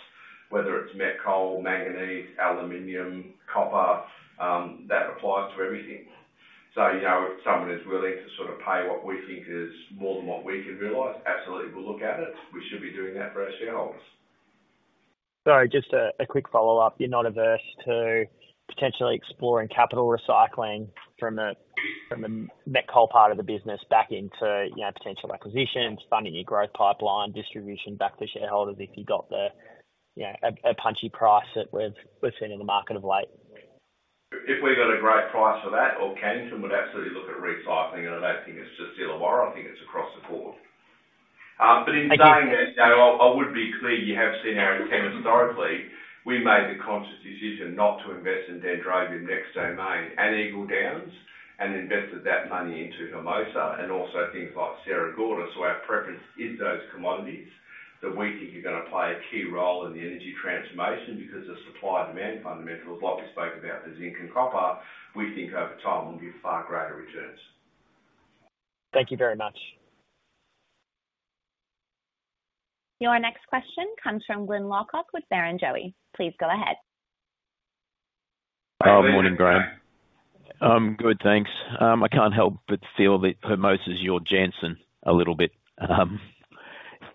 Speaker 2: Whether it's met coal, manganese, aluminum, copper, that applies to everything. So you know, if someone is willing to sort of pay what we think is more than what we can realize, absolutely, we'll look at it. We should be doing that for our shareholders.
Speaker 10: So just a quick follow-up. You're not averse to potentially exploring capital recycling from the met coal part of the business back into, you know, potential acquisitions, funding your growth pipeline, distribution back to shareholders, if you got the, you know, a punchy price that we've seen in the market of late?
Speaker 2: If we got a great price for that, or Cannington, we would absolutely look at recycling, and I don't think it's just Illawarra, I think it's across the board. But in saying that, I would be clear, you have seen our intent historically. We made the conscious decision not to invest in Dendrobium, Appin, and Eagle Downs, and invested that money into Hermosa and also things like Sierra Gorda. So our preference is those commodities, that we think are gonna play a key role in the energy transformation because of supply and demand fundamentals, like we spoke about the zinc and copper, we think over time will give far greater returns.
Speaker 10: Thank you very much.
Speaker 1: Your next question comes from Glyn Lawcock with Barrenjoey. Please go ahead.
Speaker 11: Good morning, Graham. Good, thanks. I can't help but feel that Hermosa is your Jansen a little bit.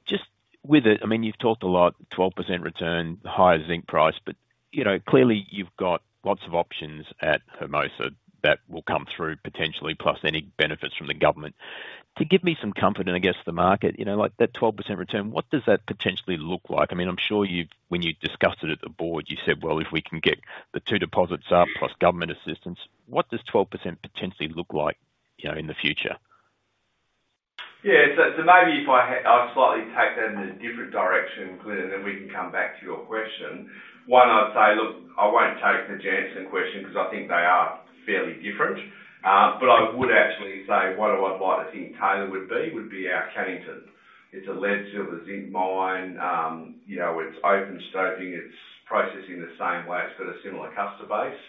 Speaker 11: Just with it, I mean, you've talked a lot, 12% return, higher zinc price, but, you know, clearly you've got lots of options at Hermosa that will come through potentially, plus any benefits from the government. To give me some comfort, and I guess the market, you know, like, that 12% return, what does that potentially look like? I mean, I'm sure you've-- when you discussed it at the board, you said, "Well, if we can get the two deposits up, plus government assistance," what does 12% potentially look like, you know, in the future?
Speaker 2: Yeah, maybe if I'll slightly take that in a different direction, Glenn, and then we can come back to your question. One, I'd say, look, I won't take the Jansen question because I think they are fairly different. But I would actually say, what I think Taylor would be, would be our Cannington. It's a lead, silver, zinc mine. You know, it's open stoping, it's processing the same way. It's got a similar customer base.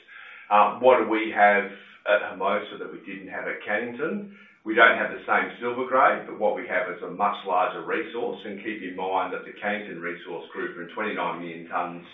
Speaker 2: What do we have at Hermosa that we didn't have at Cannington? We don't have the same silver grade, but what we have is a much larger resource. And keep in mind that the Cannington resource grew from 29 million tons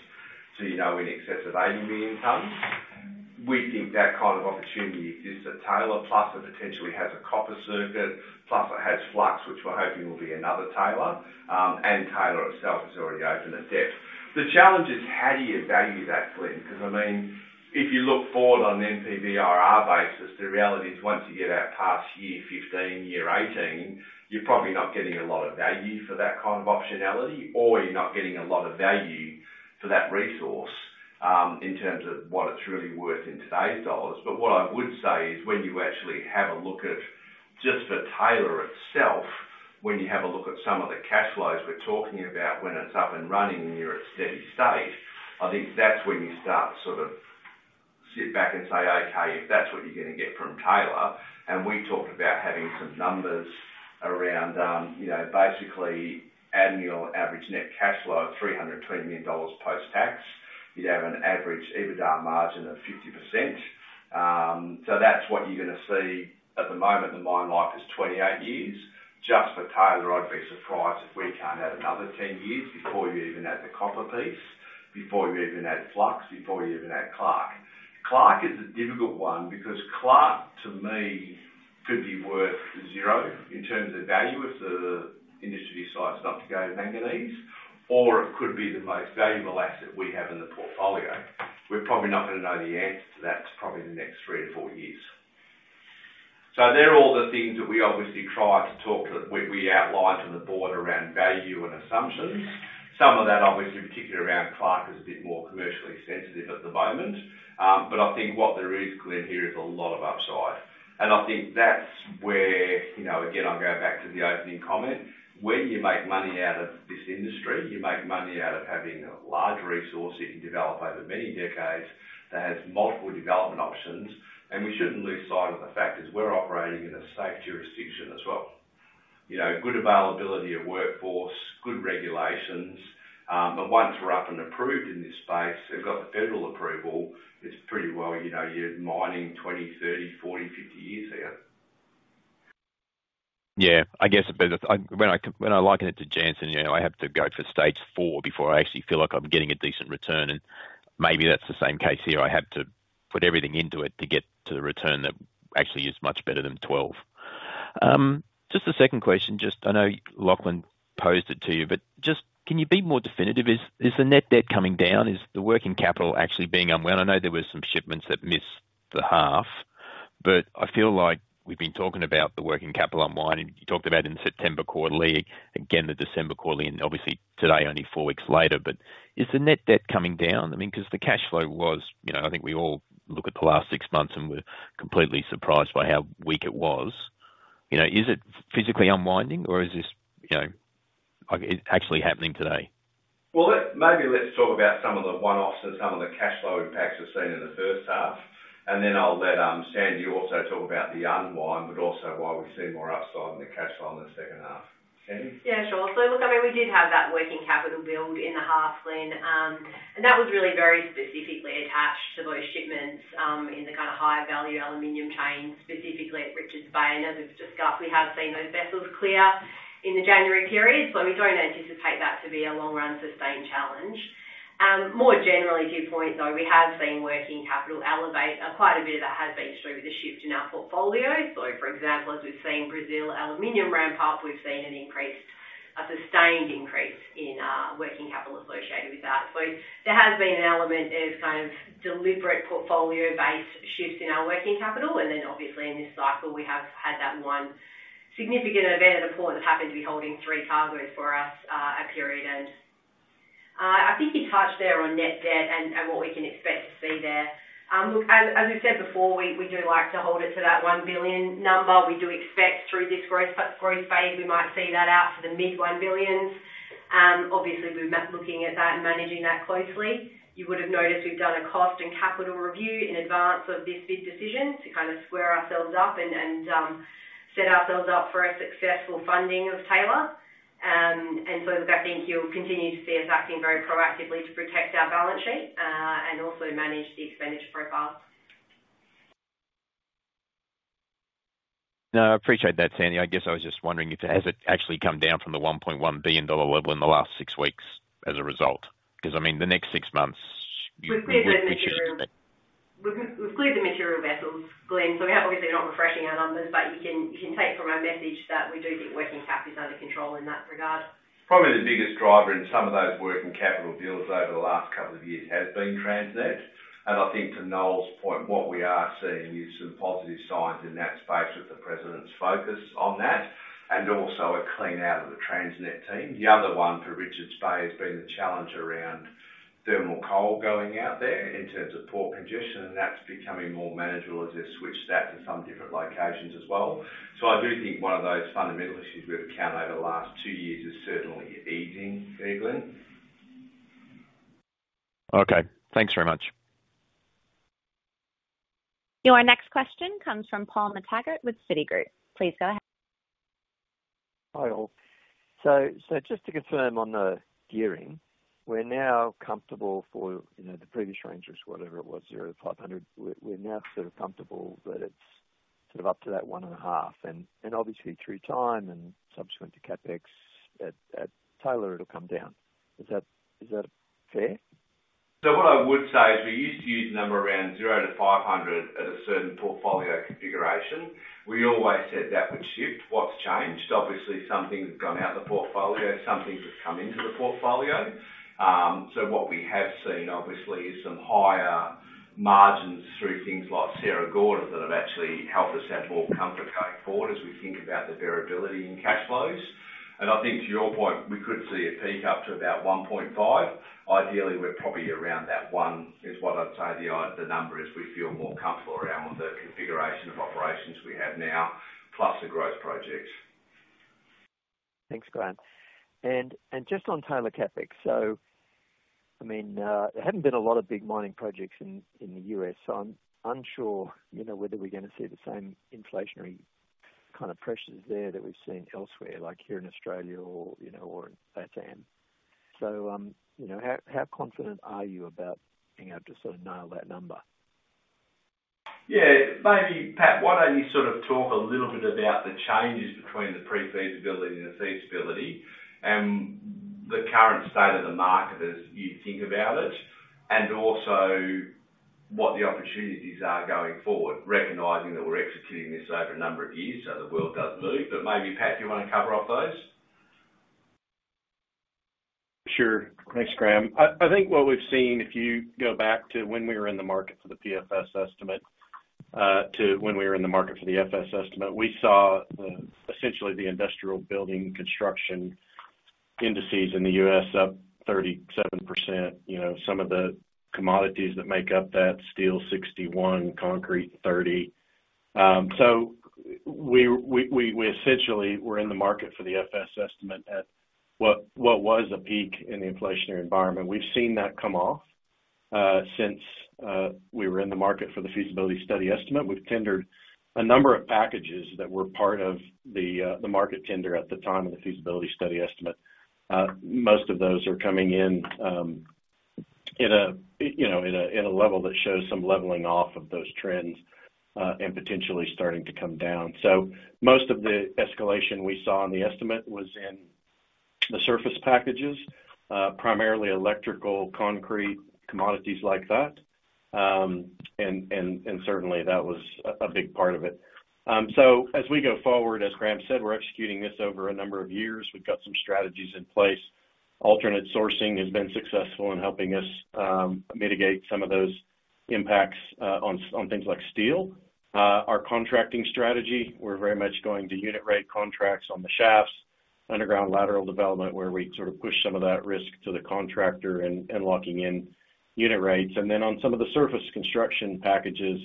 Speaker 2: to, you know, in excess of 80 million tons. We think that kind of opportunity exists at Taylor, plus it potentially has a copper circuit, plus it has flux, which we're hoping will be another Taylor, and Taylor itself is already open at depth. The challenge is how do you value that, Glenn? Because, I mean, if you look forward on an NPV-IRR basis, the reality is once you get out past year 15, year 18, you're probably not getting a lot of value for that kind of optionality, or you're not getting a lot of value for that resource, in terms of what it's really worth in today's dollars. But what I would say is, when you actually have a look at just the Taylor itself, when you have a look at some of the cash flows we're talking about, when it's up and running and you're at steady state, I think that's when you start to sort of sit back and say, okay, if that's what you're gonna get from Taylor, and we talked about having some numbers around, you know, basically, annual average net cash flow of $320 million post-tax, you'd have an average EBITDA margin of 50%. So that's what you're gonna see. At the moment, the mine life is 28 years. Just for Taylor, I'd be surprised if we can't add another 10 years before you even add the copper piece, before you even add Flux, before you even add Clark. Clark is a difficult one because Clark, to me, could be worth zero in terms of the value, if the industry decides not to go to manganese, or it could be the most valuable asset we have in the portfolio. We're probably not gonna know the answer to that probably in the next 3 years-4 years. So they're all the things that we obviously try to talk to, we outline to the board around value and assumptions. Some of that, obviously, particularly around Clark, is a bit more commercially sensitive at the moment. But I think what there is clear here is a lot of upside. And I think that's where, you know, again, I'll go back to the opening comment. Where you make money out of this industry, you make money out of having a large resource that you develop over many decades, that has multiple development options, and we shouldn't lose sight of the fact is we're operating in a safe jurisdiction as well. You know, good availability of workforce, good regulations, and once we're up and approved in this space, we've got the federal approval, it's pretty well, you know, you're mining 20, 30, 40, 50 years out.
Speaker 11: Yeah, I guess, but when I, when I liken it to Jansen, you know, I have to go for stage four before I actually feel like I'm getting a decent return, and maybe that's the same case here. I have to put everything into it to get to the return that actually is much better than 12. Just a second question. Just I know Lachlan posed it to you, but just can you be more definitive? Is, is the net debt coming down? Is the working capital actually being unwell? I know there were some shipments that missed the half, but I feel like we've been talking about the working capital unwind, and you talked about in the September quarterly, again, the December quarterly, and obviously, today, only four weeks later, but is the net debt coming down? I mean, because the cash flow was, you know, I think we all look at the last six months, and we're completely surprised by how weak it was. You know, is it physically unwinding, or is this, you know, like, it's actually happening today?
Speaker 2: Well, maybe let's talk about some of the one-offs and some of the cash flow impacts we've seen in the first half, and then I'll let Sandy also talk about the unwind, but also why we see more upside in the cash flow in the second half. Sandy?
Speaker 4: Yeah, sure. So look, I mean, we did have that working capital build in the half, Glenn, and that was really very specifically attached to those shipments in the kind of higher value aluminum chain, specifically at Richards Bay. And as we've discussed, we have seen those vessels clear in the January period, so we don't anticipate that to be a long-run sustained challenge. More generally, to your point, though, we have seen working capital elevate. Quite a bit of that has been through the shift in our portfolio. So for example, as we've seen Brazil aluminum ramp up, we've seen an increase, a sustained increase in working capital associated with that. So there has been an element of kind of deliberate portfolio-based shifts in our working capital, and then obviously in this cycle, we have had that one significant event at a port that happened to be holding three cargos for us, a period. And I think you touched there on net debt and what we can expect to see there. Look, as we've said before, we do like to hold it to that $1 billion number. We do expect through this growth phase, we might see that out to the mid-$1 billions. Obviously, we're looking at that and managing that closely. You would have noticed we've done a cost and capital review in advance of this bid decision to kind of square ourselves up and set ourselves up for a successful funding of Taylor. And so look, I think you'll continue to see us acting very proactively to protect our balance sheet, and also manage the expenditure profile.
Speaker 11: No, I appreciate that, Sandy. I guess I was just wondering if it, has it actually come down from the $1.1 billion level in the last six weeks as a result? Because, I mean, the next six months-
Speaker 4: We've cleared the material, we've cleared the material vessels, Glenn, so we're obviously not refreshing our numbers, but you can take from our message that we do think working cap is under control in that regard.
Speaker 2: Probably the biggest driver in some of those working capital deals over the last couple of years has been Transnet. I think to Noel's point, what we are seeing is some positive signs in that space with the president's focus on that and also a clean out of the Transnet team. The other one for Richards Bay has been the challenge around thermal coal going out there in terms of port congestion, and that's becoming more manageable as they switch that to some different locations as well. I do think one of those fundamental issues we've encountered over the last two years is certainly easing, Glenn.
Speaker 11: Okay, thanks very much.
Speaker 1: Your next question comes from Paul McTaggart with Citigroup. Please go ahead.
Speaker 12: Hi, all. Just to confirm on the gearing, we're now comfortable for, you know, the previous range was whatever it was, 0-500. We're now sort of comfortable that it's sort of up to that 1.5, and obviously through time and subsequent to CapEx at Taylor, it'll come down. Is that fair?
Speaker 2: So what I would say is, we used to use the number around $0-$500 at a certain portfolio configuration. We always said that would shift. What's changed? Obviously, some things have gone out of the portfolio, some things have come into the portfolio. So what we have seen, obviously, is some higher margins through things like Sierra Gorda that have actually helped us have more comfort going forward as we think about the variability in cash flows. And I think to your point, we could see a peak up to about 1.5. Ideally, we're probably around that one, is what I'd say the, the number is we feel more comfortable around on the configuration of operations we have now, plus the growth projects....
Speaker 12: Thanks, Graham. And just on Taylor CapEx. So, I mean, there haven't been a lot of big mining projects in the U.S., so I'm unsure, you know, whether we're gonna see the same inflationary kind of pressures there that we've seen elsewhere, like here in Australia or, you know, or in LATAM. So, you know, how confident are you about being able to sort of nail that number?
Speaker 2: Yeah, maybe, Pat, why don't you sort of talk a little bit about the changes between the pre-feasibility and the feasibility, and the current state of the market as you think about it, and also what the opportunities are going forward, recognizing that we're executing this over a number of years, so the world does move. But maybe, Pat, you wanna cover off those?
Speaker 6: Sure. Thanks, Graham. I think what we've seen, if you go back to when we were in the market for the PFS estimate, to when we were in the market for the FS estimate, we saw essentially the industrial building construction indices in the U.S. up 37%. You know, some of the commodities that make up that, steel 61%, concrete 30%. So we essentially were in the market for the FS estimate at what was a peak in the inflationary environment. We've seen that come off since we were in the market for the feasibility study estimate. We've tendered a number of packages that were part of the market tender at the time of the feasibility study estimate. Most of those are coming in, you know, in a level that shows some leveling off of those trends, and potentially starting to come down. So most of the escalation we saw in the estimate was in the surface packages, primarily electrical, concrete, commodities like that. And certainly, that was a big part of it. So as we go forward, as Graham said, we're executing this over a number of years. We've got some strategies in place. Alternate sourcing has been successful in helping us mitigate some of those impacts on things like steel. Our contracting strategy, we're very much going to unit rate contracts on the shafts, underground lateral development, where we sort of push some of that risk to the contractor and locking in unit rates. And then on some of the surface construction packages,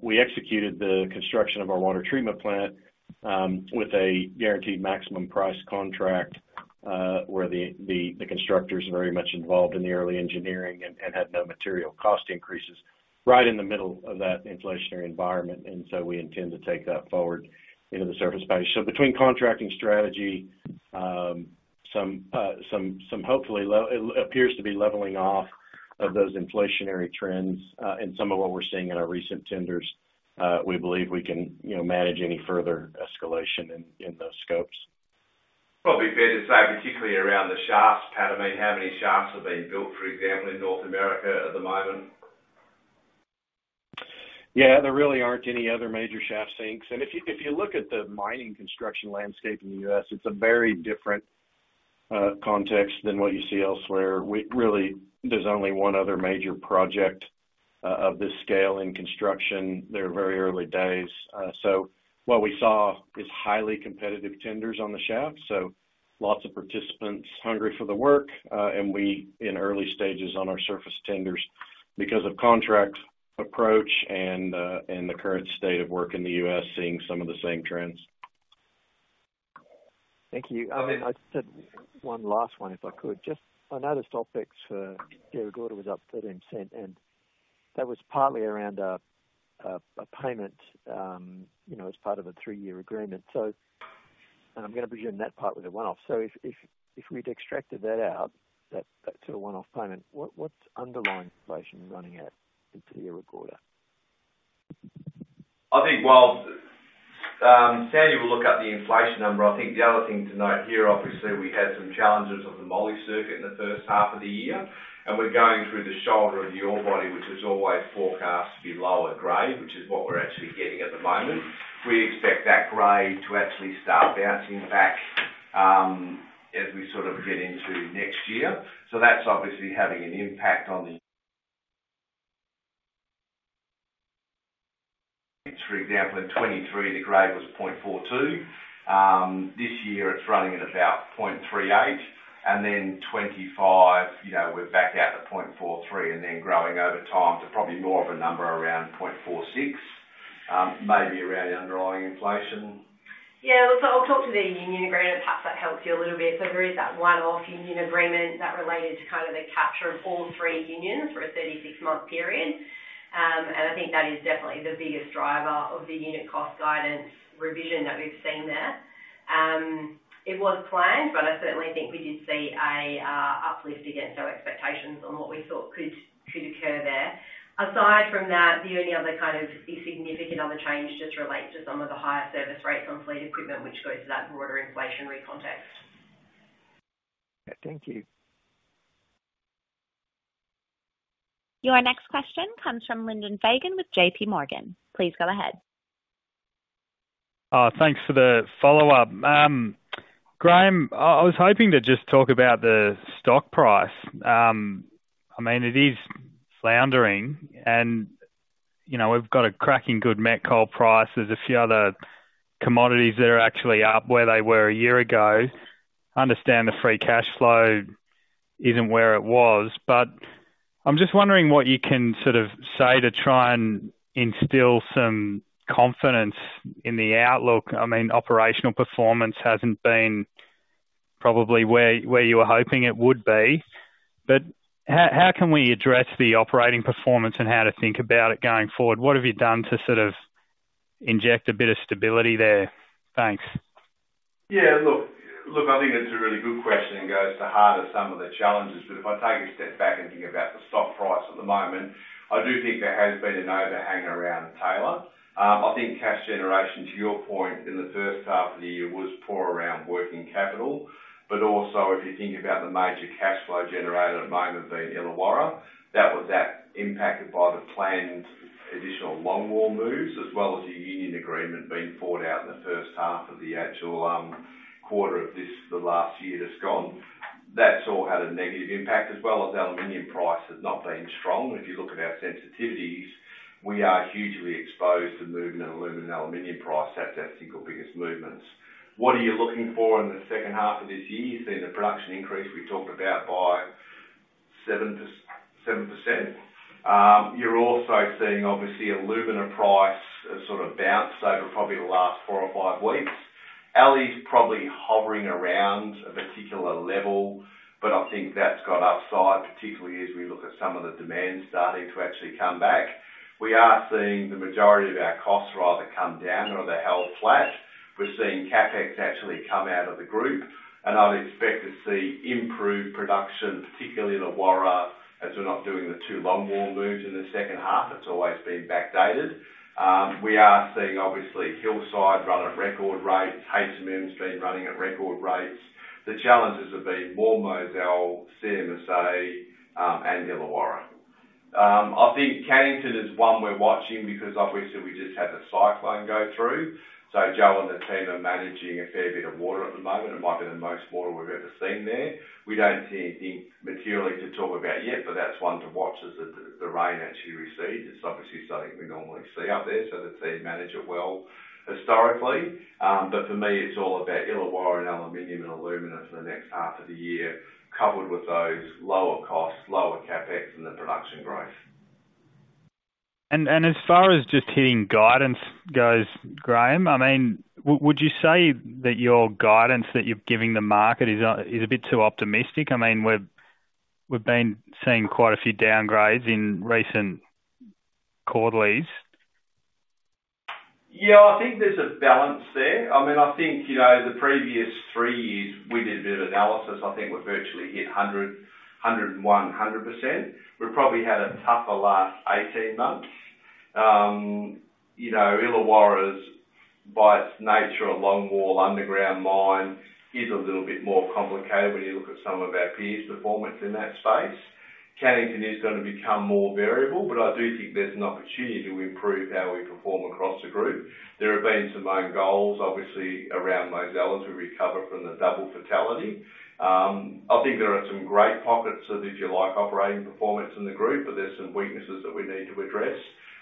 Speaker 6: we executed the construction of our water treatment plant with a guaranteed maximum price contract, where the constructors are very much involved in the early engineering and had no material cost increases right in the middle of that inflationary environment. And so we intend to take that forward into the surface space. So between contracting strategy, some hopefully, it appears to be leveling off of those inflationary trends, and some of what we're seeing in our recent tenders, we believe we can, you know, manage any further escalation in those scopes.
Speaker 2: Probably fair to say, particularly around the shafts, Pat, I mean, how many shafts are being built, for example, in North America at the moment?
Speaker 6: Yeah, there really aren't any other major shaft sinks. And if you look at the mining construction landscape in the U.S., it's a very different context than what you see elsewhere. Really, there's only one other major project of this scale in construction. They're very early days. So what we saw is highly competitive tenders on the shaft, so lots of participants hungry for the work, and we in early stages on our surface tenders because of contract approach and the current state of work in the U.S., seeing some of the same trends.
Speaker 12: Thank you. I mean, I just had one last one, if I could. Just I noticed OpEx for Sierra Gorda was up 13%, and that was partly around a payment, you know, as part of a three-year agreement. So I'm gonna presume that part was a one-off. So if we'd extracted that out, that sort of one-off payment, what's underlying inflation running at in Sierra Gorda?
Speaker 2: I think, well, Sandy will look up the inflation number. I think the other thing to note here, obviously, we had some challenges on the moly circuit in the first half of the year, and we're going through the shoulder of the ore body, which is always forecast to be lower grade, which is what we're actually getting at the moment. We expect that grade to actually start bouncing back, as we sort of get into next year. So that's obviously having an impact on the ... For example, in 2023, the grade was 0.42. This year it's running at about 0.38, and then 2025, you know, we're back out to 0.43 and then growing over time to probably more of a number around 0.46, maybe around the underlying inflation.
Speaker 4: Yeah, look, so I'll talk to the union agreement, perhaps that helps you a little bit. So there is that one-off union agreement that related to kind of the capture of all three unions for a 36-month period. And I think that is definitely the biggest driver of the unit cost guidance revision that we've seen there. It was planned, but I certainly think we did see a uplift against our expectations on what we thought could occur there. Aside from that, the only other kind of the significant other change just relates to some of the higher service rates on fleet equipment, which goes to that broader inflationary context.
Speaker 12: Yeah. Thank you.
Speaker 1: Your next question comes from Lyndon Fagan with JP Morgan. Please go ahead.
Speaker 9: Thanks for the follow-up. Graham, I was hoping to just talk about the stock price. I mean, it is floundering and, you know, we've got a cracking good met coal price. There's a few other commodities that are actually up where they were a year ago. I understand the free cash flow isn't where it was, but I'm just wondering what you can sort of say to try and instill some confidence in the outlook. I mean, operational performance hasn't been probably where you were hoping it would be, but how can we address the operating performance and how to think about it going forward? What have you done to sort of inject a bit of stability there? Thanks.
Speaker 2: Yeah, look, look, I think that's a really good question and goes to the heart of some of the challenges. But if I take a step back and think about the stock price at the moment, I do think there has been an overhang around Taylor. I think cash generation, to your point, in the first half of the year was poor around working capital, but also, if you think about the major cash flow generator at the moment being Illawarra, that was impacted by the planned additional long wall moves, as well as the union agreement being fought out in the first half of the actual quarter of this, the last year that's gone. That's all had a negative impact as well as the aluminum price has not been strong. If you look at our sensitivities, we are hugely exposed to movement in aluminum and aluminium price. That's our single biggest movements. What are you looking for in the second half of this year? You've seen the production increase, we talked about by 7%-7%. You're also seeing, obviously, alumina price sort of bounce over probably the last four or five weeks. Ali's probably hovering around a particular level, but I think that's got upside, particularly as we look at some of the demand starting to actually come back. We are seeing the majority of our costs rather come down or they're held flat. We're seeing CapEx actually come out of the group, and I'd expect to see improved production, particularly in Illawarra, as we're not doing the two long wall moves in the second half. It's always been backdated. We are seeing, obviously, Hillside run at record rates. HMM's been running at record rates. The challenges have been more Mozal, CMSA, and Illawarra. I think Cannington is one we're watching because obviously we just had the cyclone go through, so Joe and the team are managing a fair bit of water at the moment. It might be the most water we've ever seen there. We don't see anything materially to talk about yet, but that's one to watch as the rain actually recedes. It's obviously something we normally see up there, so they manage it well historically. But for me, it's all about Illawarra and aluminum and alumina for the next half of the year, coupled with those lower costs, lower CapEx and the production growth.
Speaker 9: As far as just hitting guidance goes, Graham, I mean, would you say that your guidance that you're giving the market is a bit too optimistic? I mean, we've been seeing quite a few downgrades in recent quarterlies.
Speaker 2: Yeah, I think there's a balance there. I mean, I think, you know, the previous three years we did a bit of analysis. I think we virtually hit 100, 100 and 100%. We've probably had a tougher last 18 months. You know, Illawarra's, by its nature, a long wall underground mine is a little bit more complicated when you look at some of our peers' performance in that space. Cannington is going to become more variable, but I do think there's an opportunity to improve how we perform across the group. There have been some own goals, obviously, around Mozal as we recover from the double fatality. I think there are some great pockets of, if you like, operating performance in the group, but there's some weaknesses that we need to address.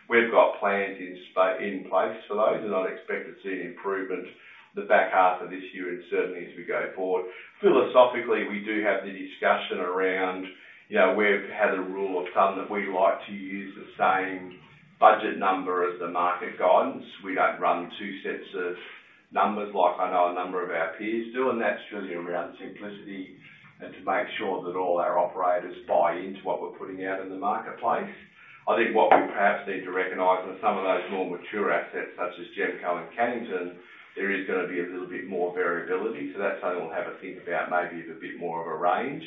Speaker 2: We've got plans in place for those, and I'd expect to see an improvement the back half of this year and certainly as we go forward. Philosophically, we do have the discussion around, you know, we've had a rule of thumb that we like to use the same budget number as the market guidance. We don't run two sets of numbers like I know a number of our peers do, and that's really around simplicity and to make sure that all our operators buy into what we're putting out in the marketplace. I think what we perhaps need to recognize are some of those more mature assets, such as GEMCO and Cannington, there is gonna be a little bit more variability. So that's something we'll have a think about, maybe a bit more of a range.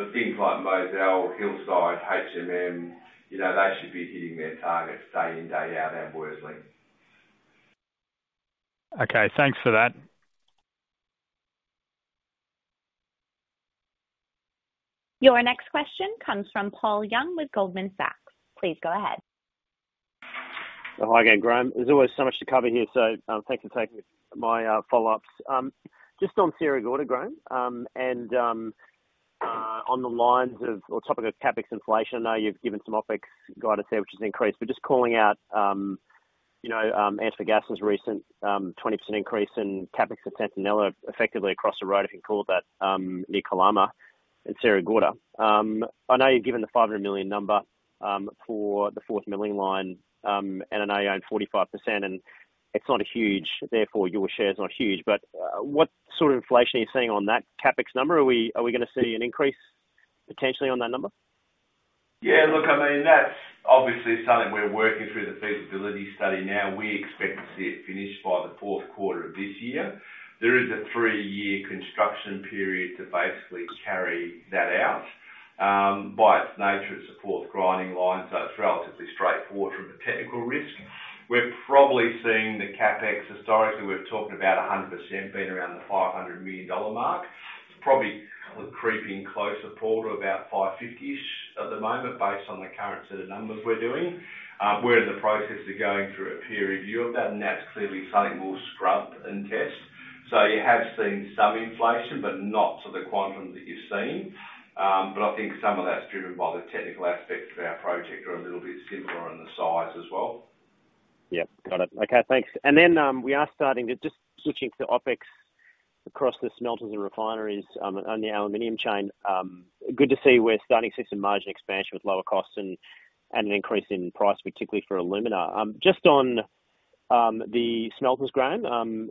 Speaker 2: But things like Mozal, Hillside, HMM, you know, they should be hitting their targets day in, day out, and Worsley.
Speaker 9: Okay, thanks for that.
Speaker 1: Your next question comes from Paul Young with Goldman Sachs. Please go ahead.
Speaker 3: Hi again, Graham. There's always so much to cover here, so, thanks for taking my, follow-ups. Just on Sierra Gorda, Graham, and, on the lines of or topic of CapEx inflation, I know you've given some OpEx guidance there, which has increased, but just calling out, you know, Antofagasta's recent, 20% increase in CapEx and Centinela effectively across the road, if you can call it that, near Calama and Sierra Gorda. I know you've given the $500 million number, for the fourth milling line, and I own 45%, and it's not a huge therefore, your share is not huge. But, what sort of inflation are you seeing on that CapEx number? Are we, are we gonna see an increase potentially on that number?
Speaker 2: Yeah, look, I mean, that's obviously something we're working through the feasibility study now. We expect to see it finished by the fourth quarter of this year. There is a three-year construction period to basically carry that out. By its nature, it's a fourth grinding line, so it's relatively straightforward from a technical risk. We're probably seeing the CapEx, historically, we've talked about 100% being around the $500 million mark, probably creeping closer, Paul, to about $550-ish at the moment, based on the current set of numbers we're doing. We're in the process of going through a peer review of that, and that's clearly something we'll scrub and test. So you have seen some inflation, but not to the quantum that you've seen. But I think some of that's driven by the technical aspects of our project are a little bit simpler in the size as well....
Speaker 3: Yep, got it. Okay, thanks. And then, we are starting to just switching to OpEx across the smelters and refineries, on the aluminum chain. Good to see we're starting to see some margin expansion with lower costs and an increase in price, particularly for alumina. Just on the smelters ground,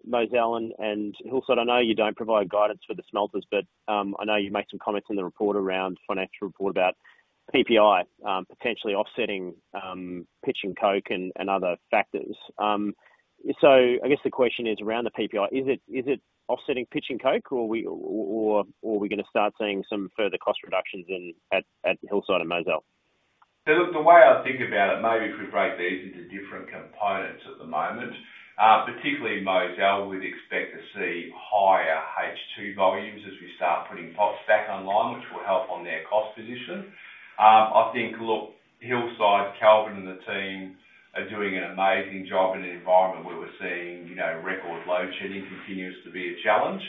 Speaker 3: Mozal and Hillside, I know you don't provide guidance for the smelters, but I know you made some comments in the report around financial report about PPI potentially offsetting pitch and coke and other factors. So I guess the question is around the PPI, is it offsetting pitch and coke, or are we gonna start seeing some further cost reductions at Hillside and Mozal?
Speaker 2: So look, the way I think about it, maybe if we break these into different components at the moment, particularly Mozal, we'd expect to see higher H2 volumes as we start putting pots back online, which will help on their cost position. I think, look, Hillside, Kelvin and the team are doing an amazing job in an environment where we're seeing, you know, record load shedding continues to be a challenge.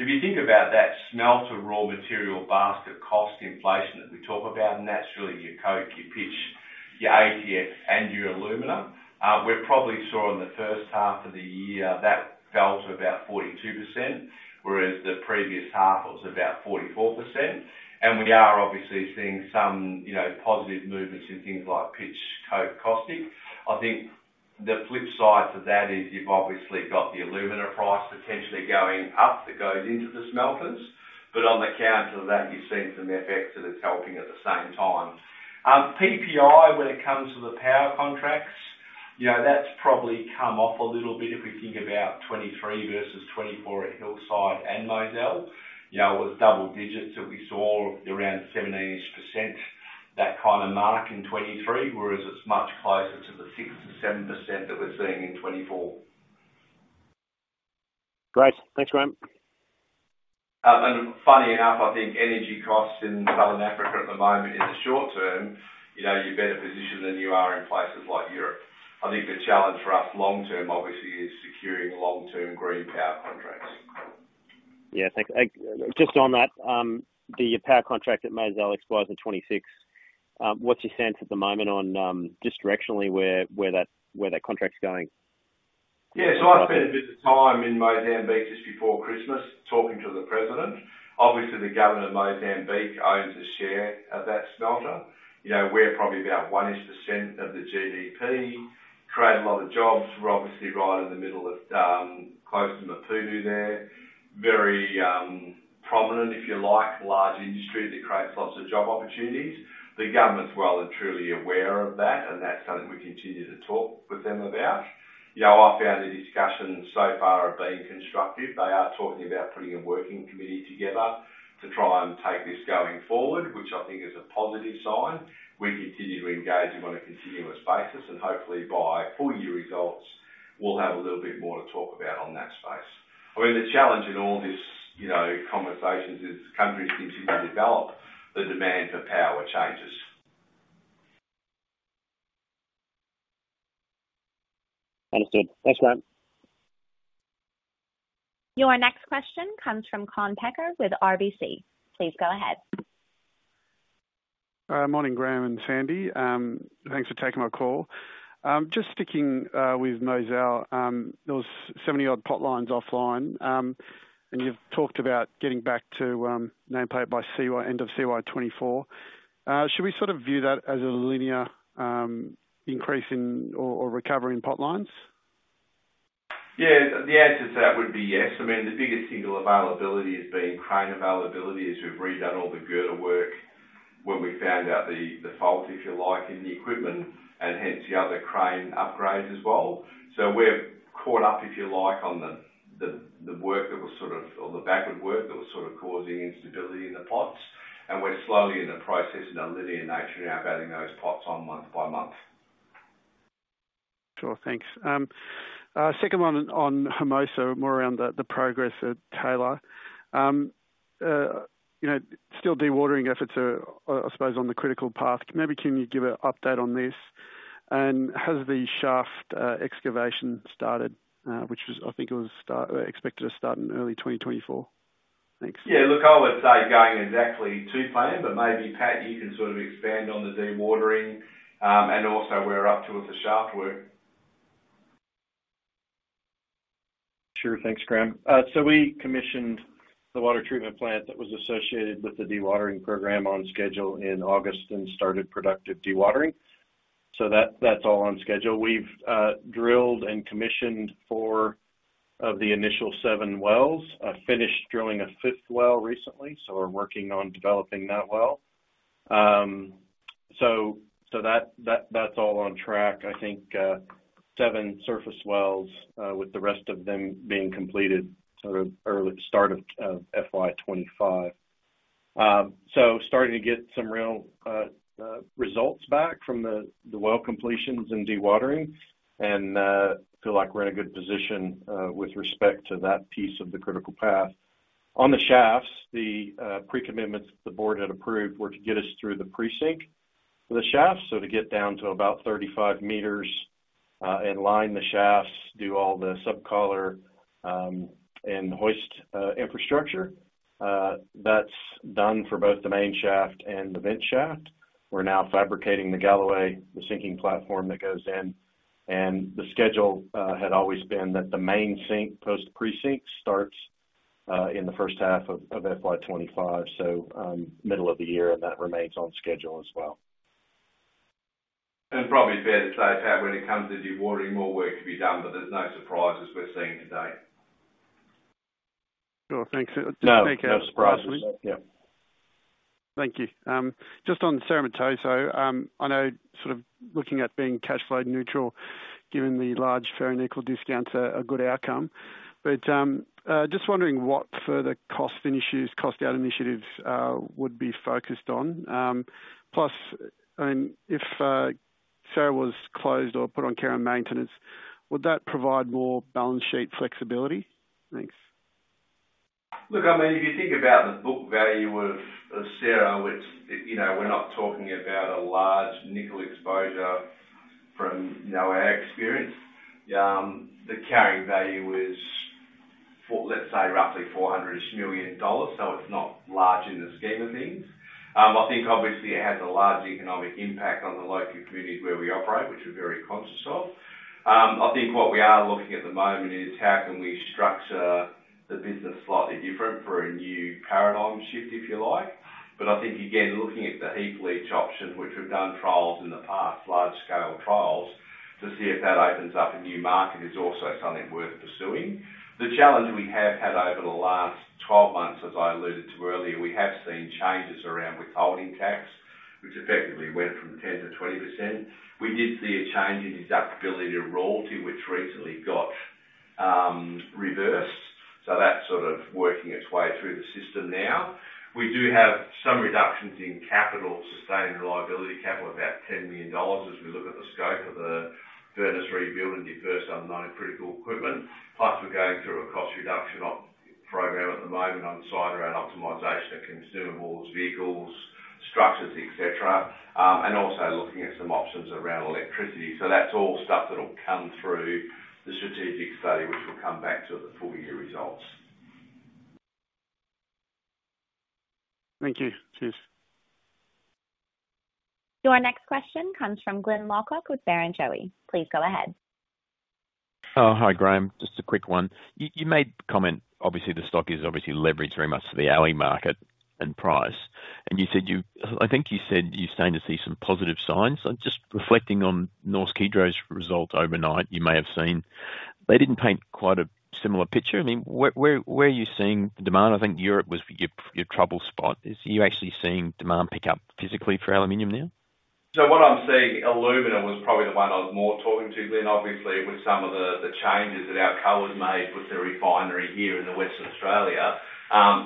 Speaker 2: If you think about that smelter raw material basket cost inflation that we talk about, and that's really your coke, your pitch, your AlF3, and your alumina. We probably saw in the first half of the year, that fell to about 42%, whereas the previous half was about 44%, and we are obviously seeing some, you know, positive movements in things like pitch, coke, caustic. I think the flip side to that is you've obviously got the alumina price potentially going up, that goes into the smelters, but on the count of that, you're seeing some effects that it's helping at the same time. PPI, when it comes to the power contracts, you know, that's probably come off a little bit if we think about 2023 versus 2024 at Hillside and Mozal. You know, it was double digits that we saw around 17%-ish, that kind of mark in 2023, whereas it's much closer to the 6%-7% that we're seeing in 2024.
Speaker 3: Great. Thanks, Graham.
Speaker 2: Funny enough, I think energy costs in Southern Africa at the moment, in the short term, you know, you're better positioned than you are in places like Europe. I think the challenge for us long term, obviously, is securing long-term green power contracts.
Speaker 3: Yeah, thanks. Just on that, the power contract at Mozal expires in 2026. What's your sense at the moment on just directionally, where that contract's going?
Speaker 2: Yeah, so I spent a bit of time in Mozambique just before Christmas, talking to the president. Obviously, the government of Mozambique owns a share of that smelter. You know, we're probably about 1% of the GDP, create a lot of jobs. We're obviously right in the middle of, close to Maputo there. Very, prominent, if you like, large industry that creates lots of job opportunities. The government's well and truly aware of that, and that's something we continue to talk with them about. You know, I found the discussions so far have been constructive. They are talking about putting a working committee together to try and take this going forward, which I think is a positive sign. We continue to engage them on a continuous basis, and hopefully by full year results, we'll have a little bit more to talk about on that space. I mean, the challenge in all this, you know, conversations is countries continue to develop, the demand for power changes.
Speaker 3: Understood. Thanks, mate.
Speaker 1: Your next question comes from Kaan Peker with RBC. Please go ahead.
Speaker 13: Morning, Graham and Sandy. Thanks for taking my call. Just sticking with Mozal, there was 70 odd pot lines offline, and you've talked about getting back to nameplate by CY, end of CY 2024. Should we sort of view that as a linear increase in or, or recovery in pot lines?
Speaker 2: Yeah, the answer to that would be yes. I mean, the biggest single availability has been crane availability, as we've redone all the girder work when we found out the fault, if you like, in the equipment, and hence the other crane upgrades as well. So we're caught up, if you like, on the work that was sort of, or the backward work that was sort of causing instability in the pots, and we're slowly in the process, in a linear nature, now adding those pots on month by month.
Speaker 13: Sure. Thanks. Second one on Hermosa, more around the progress at Taylor. You know, still dewatering efforts are, I suppose, on the critical path. Maybe can you give an update on this? And has the shaft excavation started, which was I think expected to start in early 2024? Thanks.
Speaker 2: Yeah, look, I would say going exactly to plan, but maybe, Pat, you can sort of expand on the dewatering, and also where we're up to with the shaft work.
Speaker 6: Sure. Thanks, Graham. So we commissioned the water treatment plant that was associated with the dewatering program on schedule in August and started productive dewatering. So that's all on schedule. We've drilled and commissioned 4 of the initial 7 wells. I finished drilling a fifth well recently, so we're working on developing that well. So that's all on track. I think 7 surface wells, with the rest of them being completed sort of early start of FY 2025. So starting to get some real results back from the well completions and dewatering and feel like we're in a good position with respect to that piece of the critical path. On the shafts, the pre-commitments the board had approved were to get us through the pre-sink for the shafts, so to get down to about 35 meters, and line the shafts, do all the sub collar, and hoist infrastructure. That's done for both the main shaft and the vent shaft. We're now fabricating the Galloway, the sinking platform that goes in, and the schedule had always been that the main sink, post pre-sink, starts in the first half of FY 2025. So, middle of the year, and that remains on schedule as well.
Speaker 2: Probably fair to say, Pat, when it comes to dewatering, more work to be done, but there's no surprises we're seeing today.
Speaker 13: Sure. Thanks.
Speaker 6: No, no surprises. Yeah.
Speaker 13: Thank you. Just on Cerro Matoso. So, I know sort of looking at being cash flow neutral, given the large ferro nickel discounts are a good outcome. But, just wondering what further cost initiatives, cost out initiatives, would be focused on? Plus, and if Cerro was closed or put on care and maintenance, would that provide more balance sheet flexibility? Thanks.
Speaker 2: Look, I mean, if you think about the book value of Cerro, which, you know, we're not talking about a large nickel exposure from, you know, our experience. The carrying value is, for, let's say, roughly $400 million-ish, so it's not large in the scheme of things. I think obviously it has a large economic impact on the local communities where we operate, which we're very conscious of. I think what we are looking at the moment is how can we structure the business slightly different for a new paradigm shift, if you like. But I think, again, looking at the heap leach option, which we've done trials in the past, large scale trials, to see if that opens up a new market, is also something worth pursuing. The challenge we have had over the last 12 months, as I alluded to earlier, we have seen changes around withholding tax, which effectively went from 10% to 20%. We did see a change in deductibility to royalty, which recently got reversed, so that's sort of working its way through the system now. We do have some reductions in capital, sustained reliability capital, about $10 million as we look at the scope of the furnace rebuild and defer some non-critical equipment. Plus, we're going through a cost reduction program at the moment on the side around optimization of consumables, vehicles, structures, et cetera, and also looking at some options around electricity. So that's all stuff that'll come through the strategic study, which we'll come back to the full year results.
Speaker 13: Thank you. Cheers.
Speaker 1: Your next question comes from Glenn Lacock with Barrenjoey. Please go ahead.
Speaker 11: Oh, hi, Graham. Just a quick one. You made the comment, obviously the stock is obviously leveraged very much to the alumina market and price, and you said—I think you said you're starting to see some positive signs. So just reflecting on Norsk Hydro's results overnight, you may have seen. They didn't paint quite a similar picture. I mean, where are you seeing the demand? I think Europe was your trouble spot. Are you actually seeing demand pick up physically for aluminum now?
Speaker 2: So what I'm seeing, alumina was probably the one I was more talking to, Glenn. Obviously, with some of the changes that our cohort made with the refinery here in Western Australia,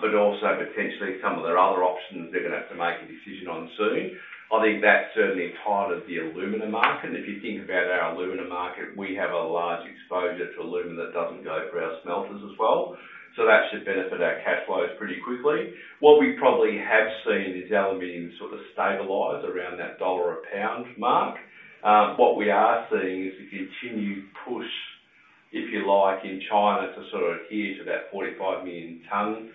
Speaker 2: but also potentially some of their other options they're gonna have to make a decision on soon. I think that's certainly part of the alumina market. If you think about our alumina market, we have a large exposure to alumina that doesn't go through our smelters as well. So that should benefit our cash flows pretty quickly. What we probably have seen is aluminum sort of stabilize around that $1 a pound mark. What we are seeing is a continued push, if you like, in China, to sort of adhere to that 45 million ton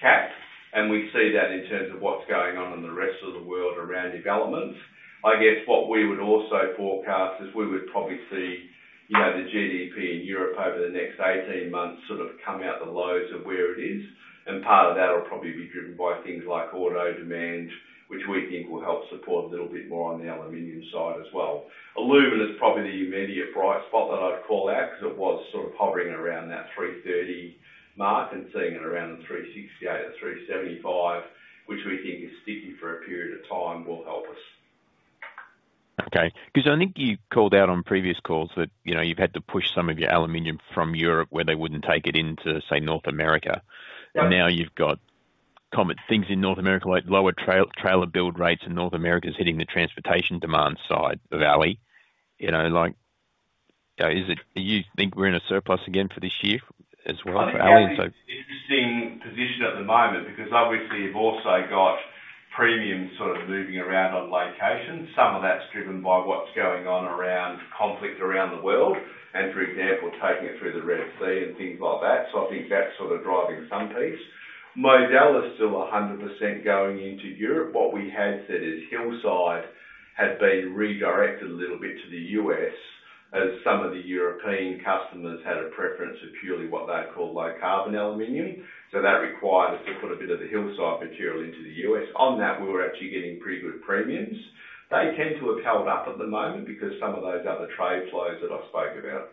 Speaker 2: cap, and we see that in terms of what's going on in the rest of the world around development. I guess what we would also forecast is we would probably see, you know, the GDP in Europe over the next 18 months, sort of come out the lows of where it is, and part of that will probably be driven by things like auto demand, which we think will help support a little bit more on the aluminum side as well. Alumina is probably the immediate bright spot that I'd call out, because it was sort of hovering around that $330 mark and seeing it around the $368 or $375, which we think is sticking for a period of time, will help us.
Speaker 11: Okay. Because I think you called out on previous calls that, you know, you've had to push some of your aluminium from Europe, where they wouldn't take it, into, say, North America.
Speaker 2: Right.
Speaker 11: Now you've got commodity things in North America, like lower trailer build rates in North America is hitting the transportation demand side of alumina. You know, like, is it... Do you think we're in a surplus again for this year as well for alumina?
Speaker 2: I think it's an interesting position at the moment because obviously you've also got premiums sort of moving around on location. Some of that's driven by what's going on around conflict around the world, and for example, taking it through the Red Sea and things like that. So I think that's sort of driving some piece. Mozal is still 100% going into Europe. What we had said is Hillside had been redirected a little bit to the US, as some of the European customers had a preference of purely what they call low-carbon aluminium. So that required us to put a bit of the Hillside material into the US. On that, we were actually getting pretty good premiums. They tend to have held up at the moment because some of those other trade flows that I've spoken about.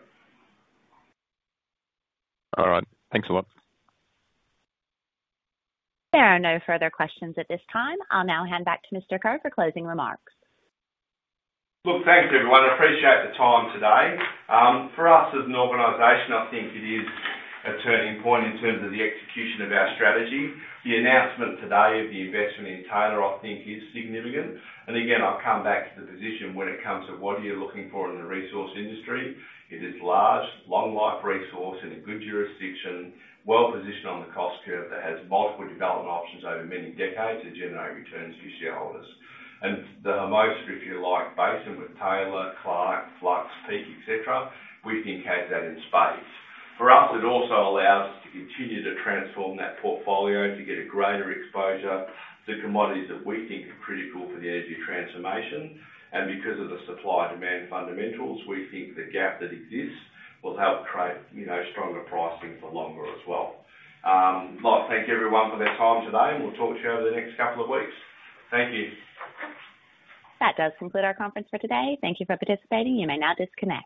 Speaker 11: All right. Thanks a lot.
Speaker 1: There are no further questions at this time. I'll now hand back to Mr. Kerr for closing remarks.
Speaker 2: Look, thanks, everyone. I appreciate the time today. For us as an organization, I think it is a turning point in terms of the execution of our strategy. The announcement today of the investment in Taylor, I think is significant. And again, I'll come back to the position when it comes to what are you looking for in the resource industry? It is large, long life resource, in a good jurisdiction, well-positioned on the cost curve, that has multiple development options over many decades to generate returns for shareholders. And the most, if you like, basin with Taylor, Clark, Flux, Peak, et cetera, we think has that in space. For us, it also allows us to continue to transform that portfolio to get a greater exposure to commodities that we think are critical for the energy transformation, and because of the supply-demand fundamentals, we think the gap that exists will help create, you know, stronger pricing for longer as well. Well, thank you everyone for their time today, and we'll talk to you over the next couple of weeks. Thank you.
Speaker 1: That does conclude our conference for today. Thank you for participating. You may now disconnect.